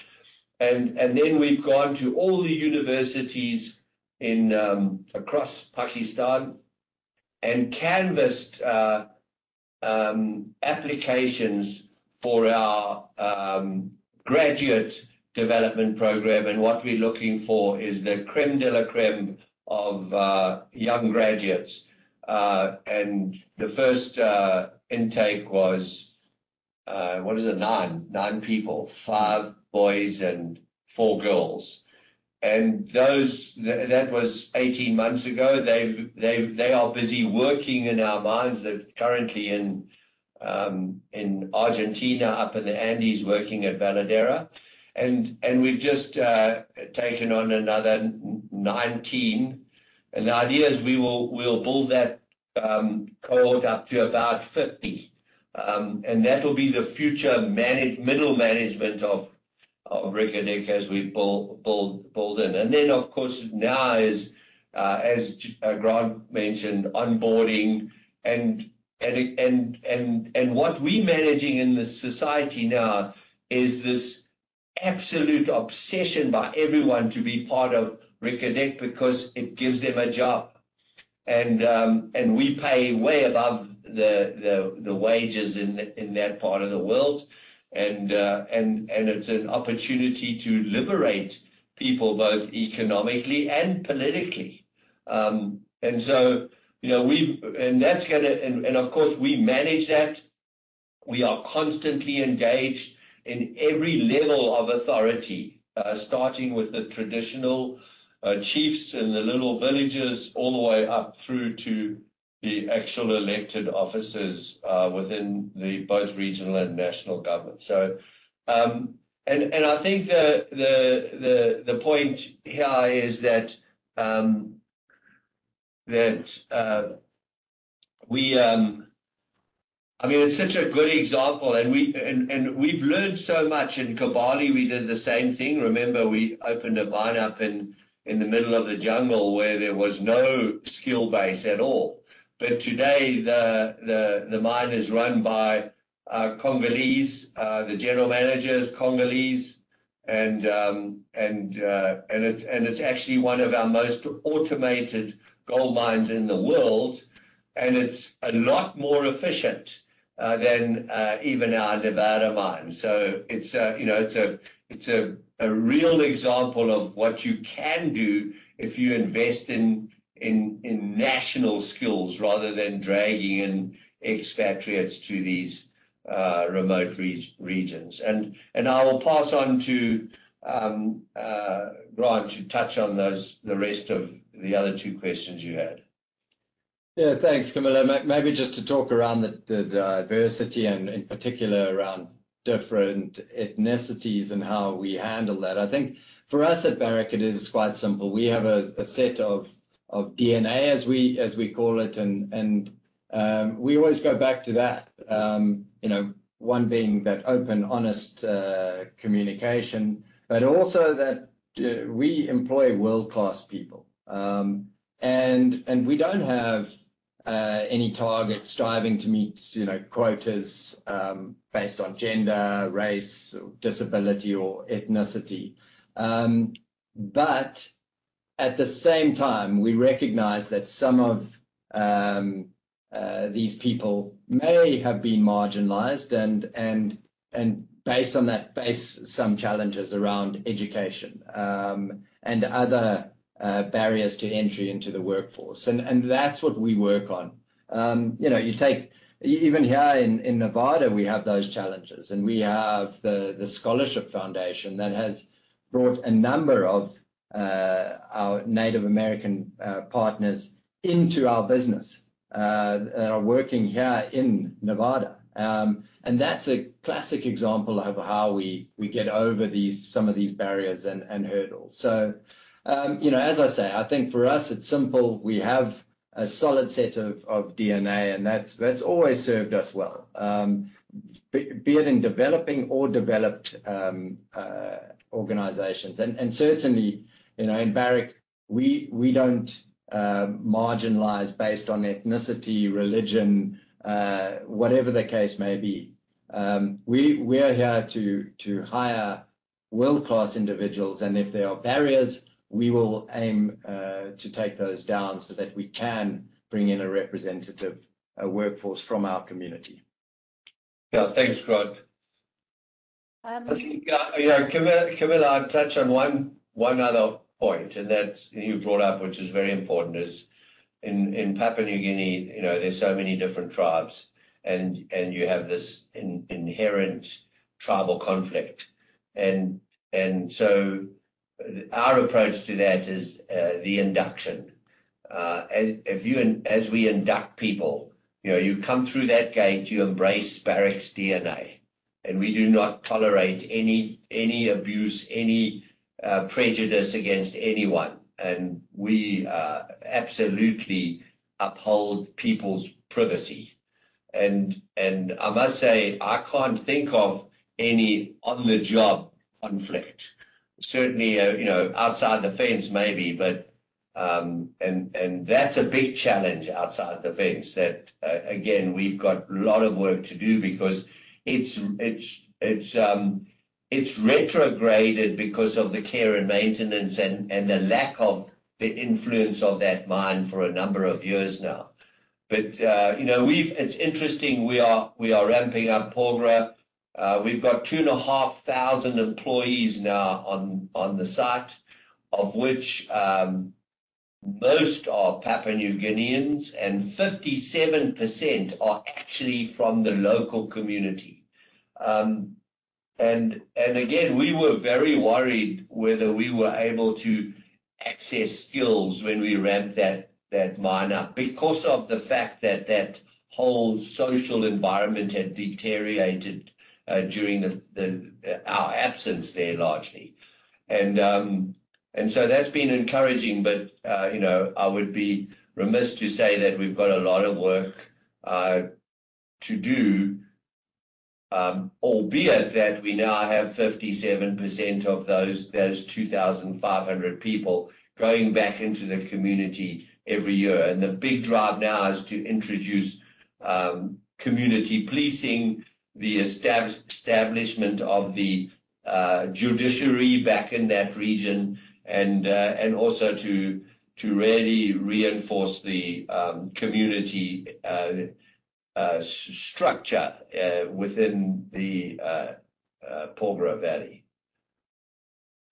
And then we've gone to all the universities across Pakistan and canvassed applications for our graduate development program. And what we're looking for is the crème de la crème of young graduates. And the first intake was what is it, nine? nine people, five boys and four girls. And those that was 18 months ago. They are busy working in our mines. They're currently in Argentina, up in the Andes, working at Veladero. And we've just taken on another 19... and the idea is we'll build that cohort up to about 50. And that will be the future middle management of Reko Diq as we build in. And then, of course, now is, as Grant mentioned, onboarding and what we're managing in the society now is this absolute obsession by everyone to be part of Reko Diq because it gives them a job. And we pay way above the wages in that part of the world, and it's an opportunity to liberate people, both economically and politically. And so, you know, we've and that's gonna, of course, we manage that. We are constantly engaged in every level of authority, starting with the traditional chiefs in the little villages, all the way up through to the actual elected officers, within both regional and national government. So, I think the point here is that we, I mean, it's such a good example, and we've learned so much. In Kibali, we did the same thing. Remember, we opened a mine up in the middle of the jungle where there was no skill base at all. But today, the mine is run by Congolese, the General Manager is Congolese, and it's actually one of our most automated gold mines in the world, and it's a lot more efficient than even our Nevada mine. So it's a, you know, it's a real example of what you can do if you invest in national skills rather than dragging in expatriates to these remote regions. And I will pass on to Grant to touch on those, the rest of the other two questions you had. Yeah, thanks, Camilla. Maybe just to talk around the diversity and in particular, around different ethnicities and how we handle that. I think for us at Barrick, it is quite simple. We have a set of DNA, as we call it, and we always go back to that. You know, one being that open, honest communication, but also that we employ world-class people. And we don't have any targets striving to meet, you know, quotas based on gender, race, or disability, or ethnicity. But at the same time, we recognize that some of these people may have been marginalized, and based on that basis, some challenges around education and other barriers to entry into the workforce. And that's what we work on. You know, you take, even here in, in Nevada, we have those challenges, and we have the scholarship foundation that has brought a number of our Native American partners into our business that are working here in Nevada. And that's a classic example of how we get over these, some of these barriers and hurdles. So, you know, as I say, I think for us, it's simple. We have a solid set of DNA, and that's always served us well. Be it in developing or developed organizations. And certainly, you know, in Barrick, we don't marginalize based on ethnicity, religion, whatever the case may be. We are here to hire world-class individuals, and if there are barriers, we will aim to take those down so that we can bring in a representative workforce from our community. Yeah. Thanks, Grant. Um- I think, you know, Camilla, I'll touch on one other point, and that's you brought up, which is very important, is in Papua New Guinea, you know, there's so many different tribes and you have this inherent tribal conflict. And so our approach to that is the induction. As we induct people, you know, you come through that gate, you embrace Barrick's DNA, and we do not tolerate any abuse, any prejudice against anyone. And we absolutely uphold people's privacy. And I must say, I can't think of any on-the-job conflict. Certainly, you know, outside the fence, maybe, but, and that's a big challenge outside the fence, that, again, we've got a lot of work to do because it's retrograded because of the care and maintenance and the lack of the influence of that mine for a number of years now. But, you know, it's interesting, we are ramping up Porgera. We've got 2,500 employees now on the site, of which most are Papua New Guineans, and 57% are actually from the local community. And again, we were very worried whether we were able to access skills when we ramped that mine up because of the fact that that whole social environment had deteriorated during the our absence there largely. And so that's been encouraging, but you know, I would be remiss to say that we've got a lot of work to do, albeit that we now have 57% of those 2,500 people going back into the community every year. And the big drive now is to introduce community policing, the establishment of the judiciary back in that region, and also to really reinforce the community structure within the Porgera Valley.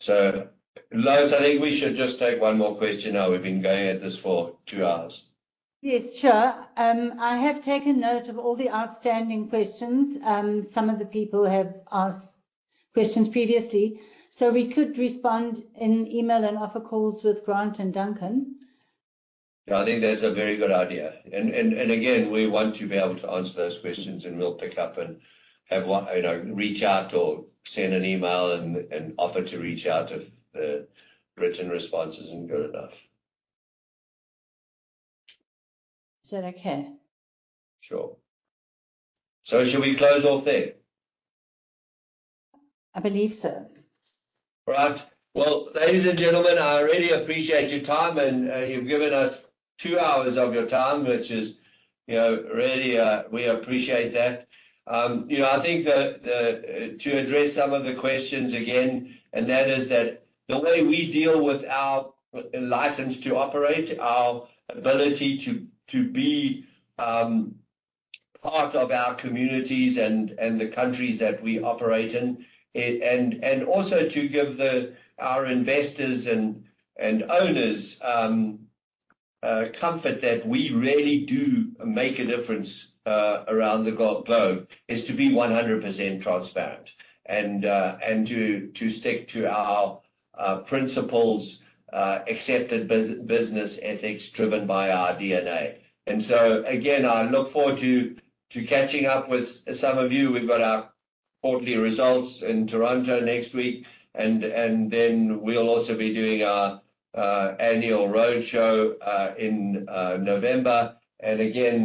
So, Lois, I think we should just take one more question now. We've been going at this for two hours. Yes, sure. I have taken note of all the outstanding questions. Some of the people have asked questions previously. So we could respond in email and offer calls with Grant and Duncan. Yeah, I think that's a very good idea. And again, we want to be able to answer those questions, and we'll pick up and have one—you know, reach out or send an email and offer to reach out if the written response isn't good enough. Is that okay? Sure. Should we close off then? I believe so. Right. Well, ladies and gentlemen, I really appreciate your time, and you've given us two hours of your time, which is, you know, really, we appreciate that. You know, I think that to address some of the questions again, and that is that the way we deal with our license to operate, our ability to be part of our communities and the countries that we operate in, and also to give our investors and owners comfort that we really do make a difference around the globe, is to be 100% transparent, and to stick to our principles, accepted business ethics driven by our DNA. And so again, I look forward to catching up with some of you. We've got our quarterly results in Toronto next week, and then we'll also be doing our annual roadshow in November. And again,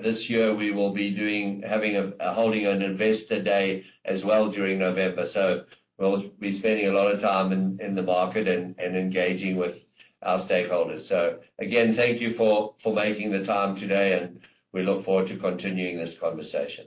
this year we will be holding an investor day as well during November. So we'll be spending a lot of time in the market and engaging with our stakeholders. So again, thank you for making the time today, and we look forward to continuing this conversation.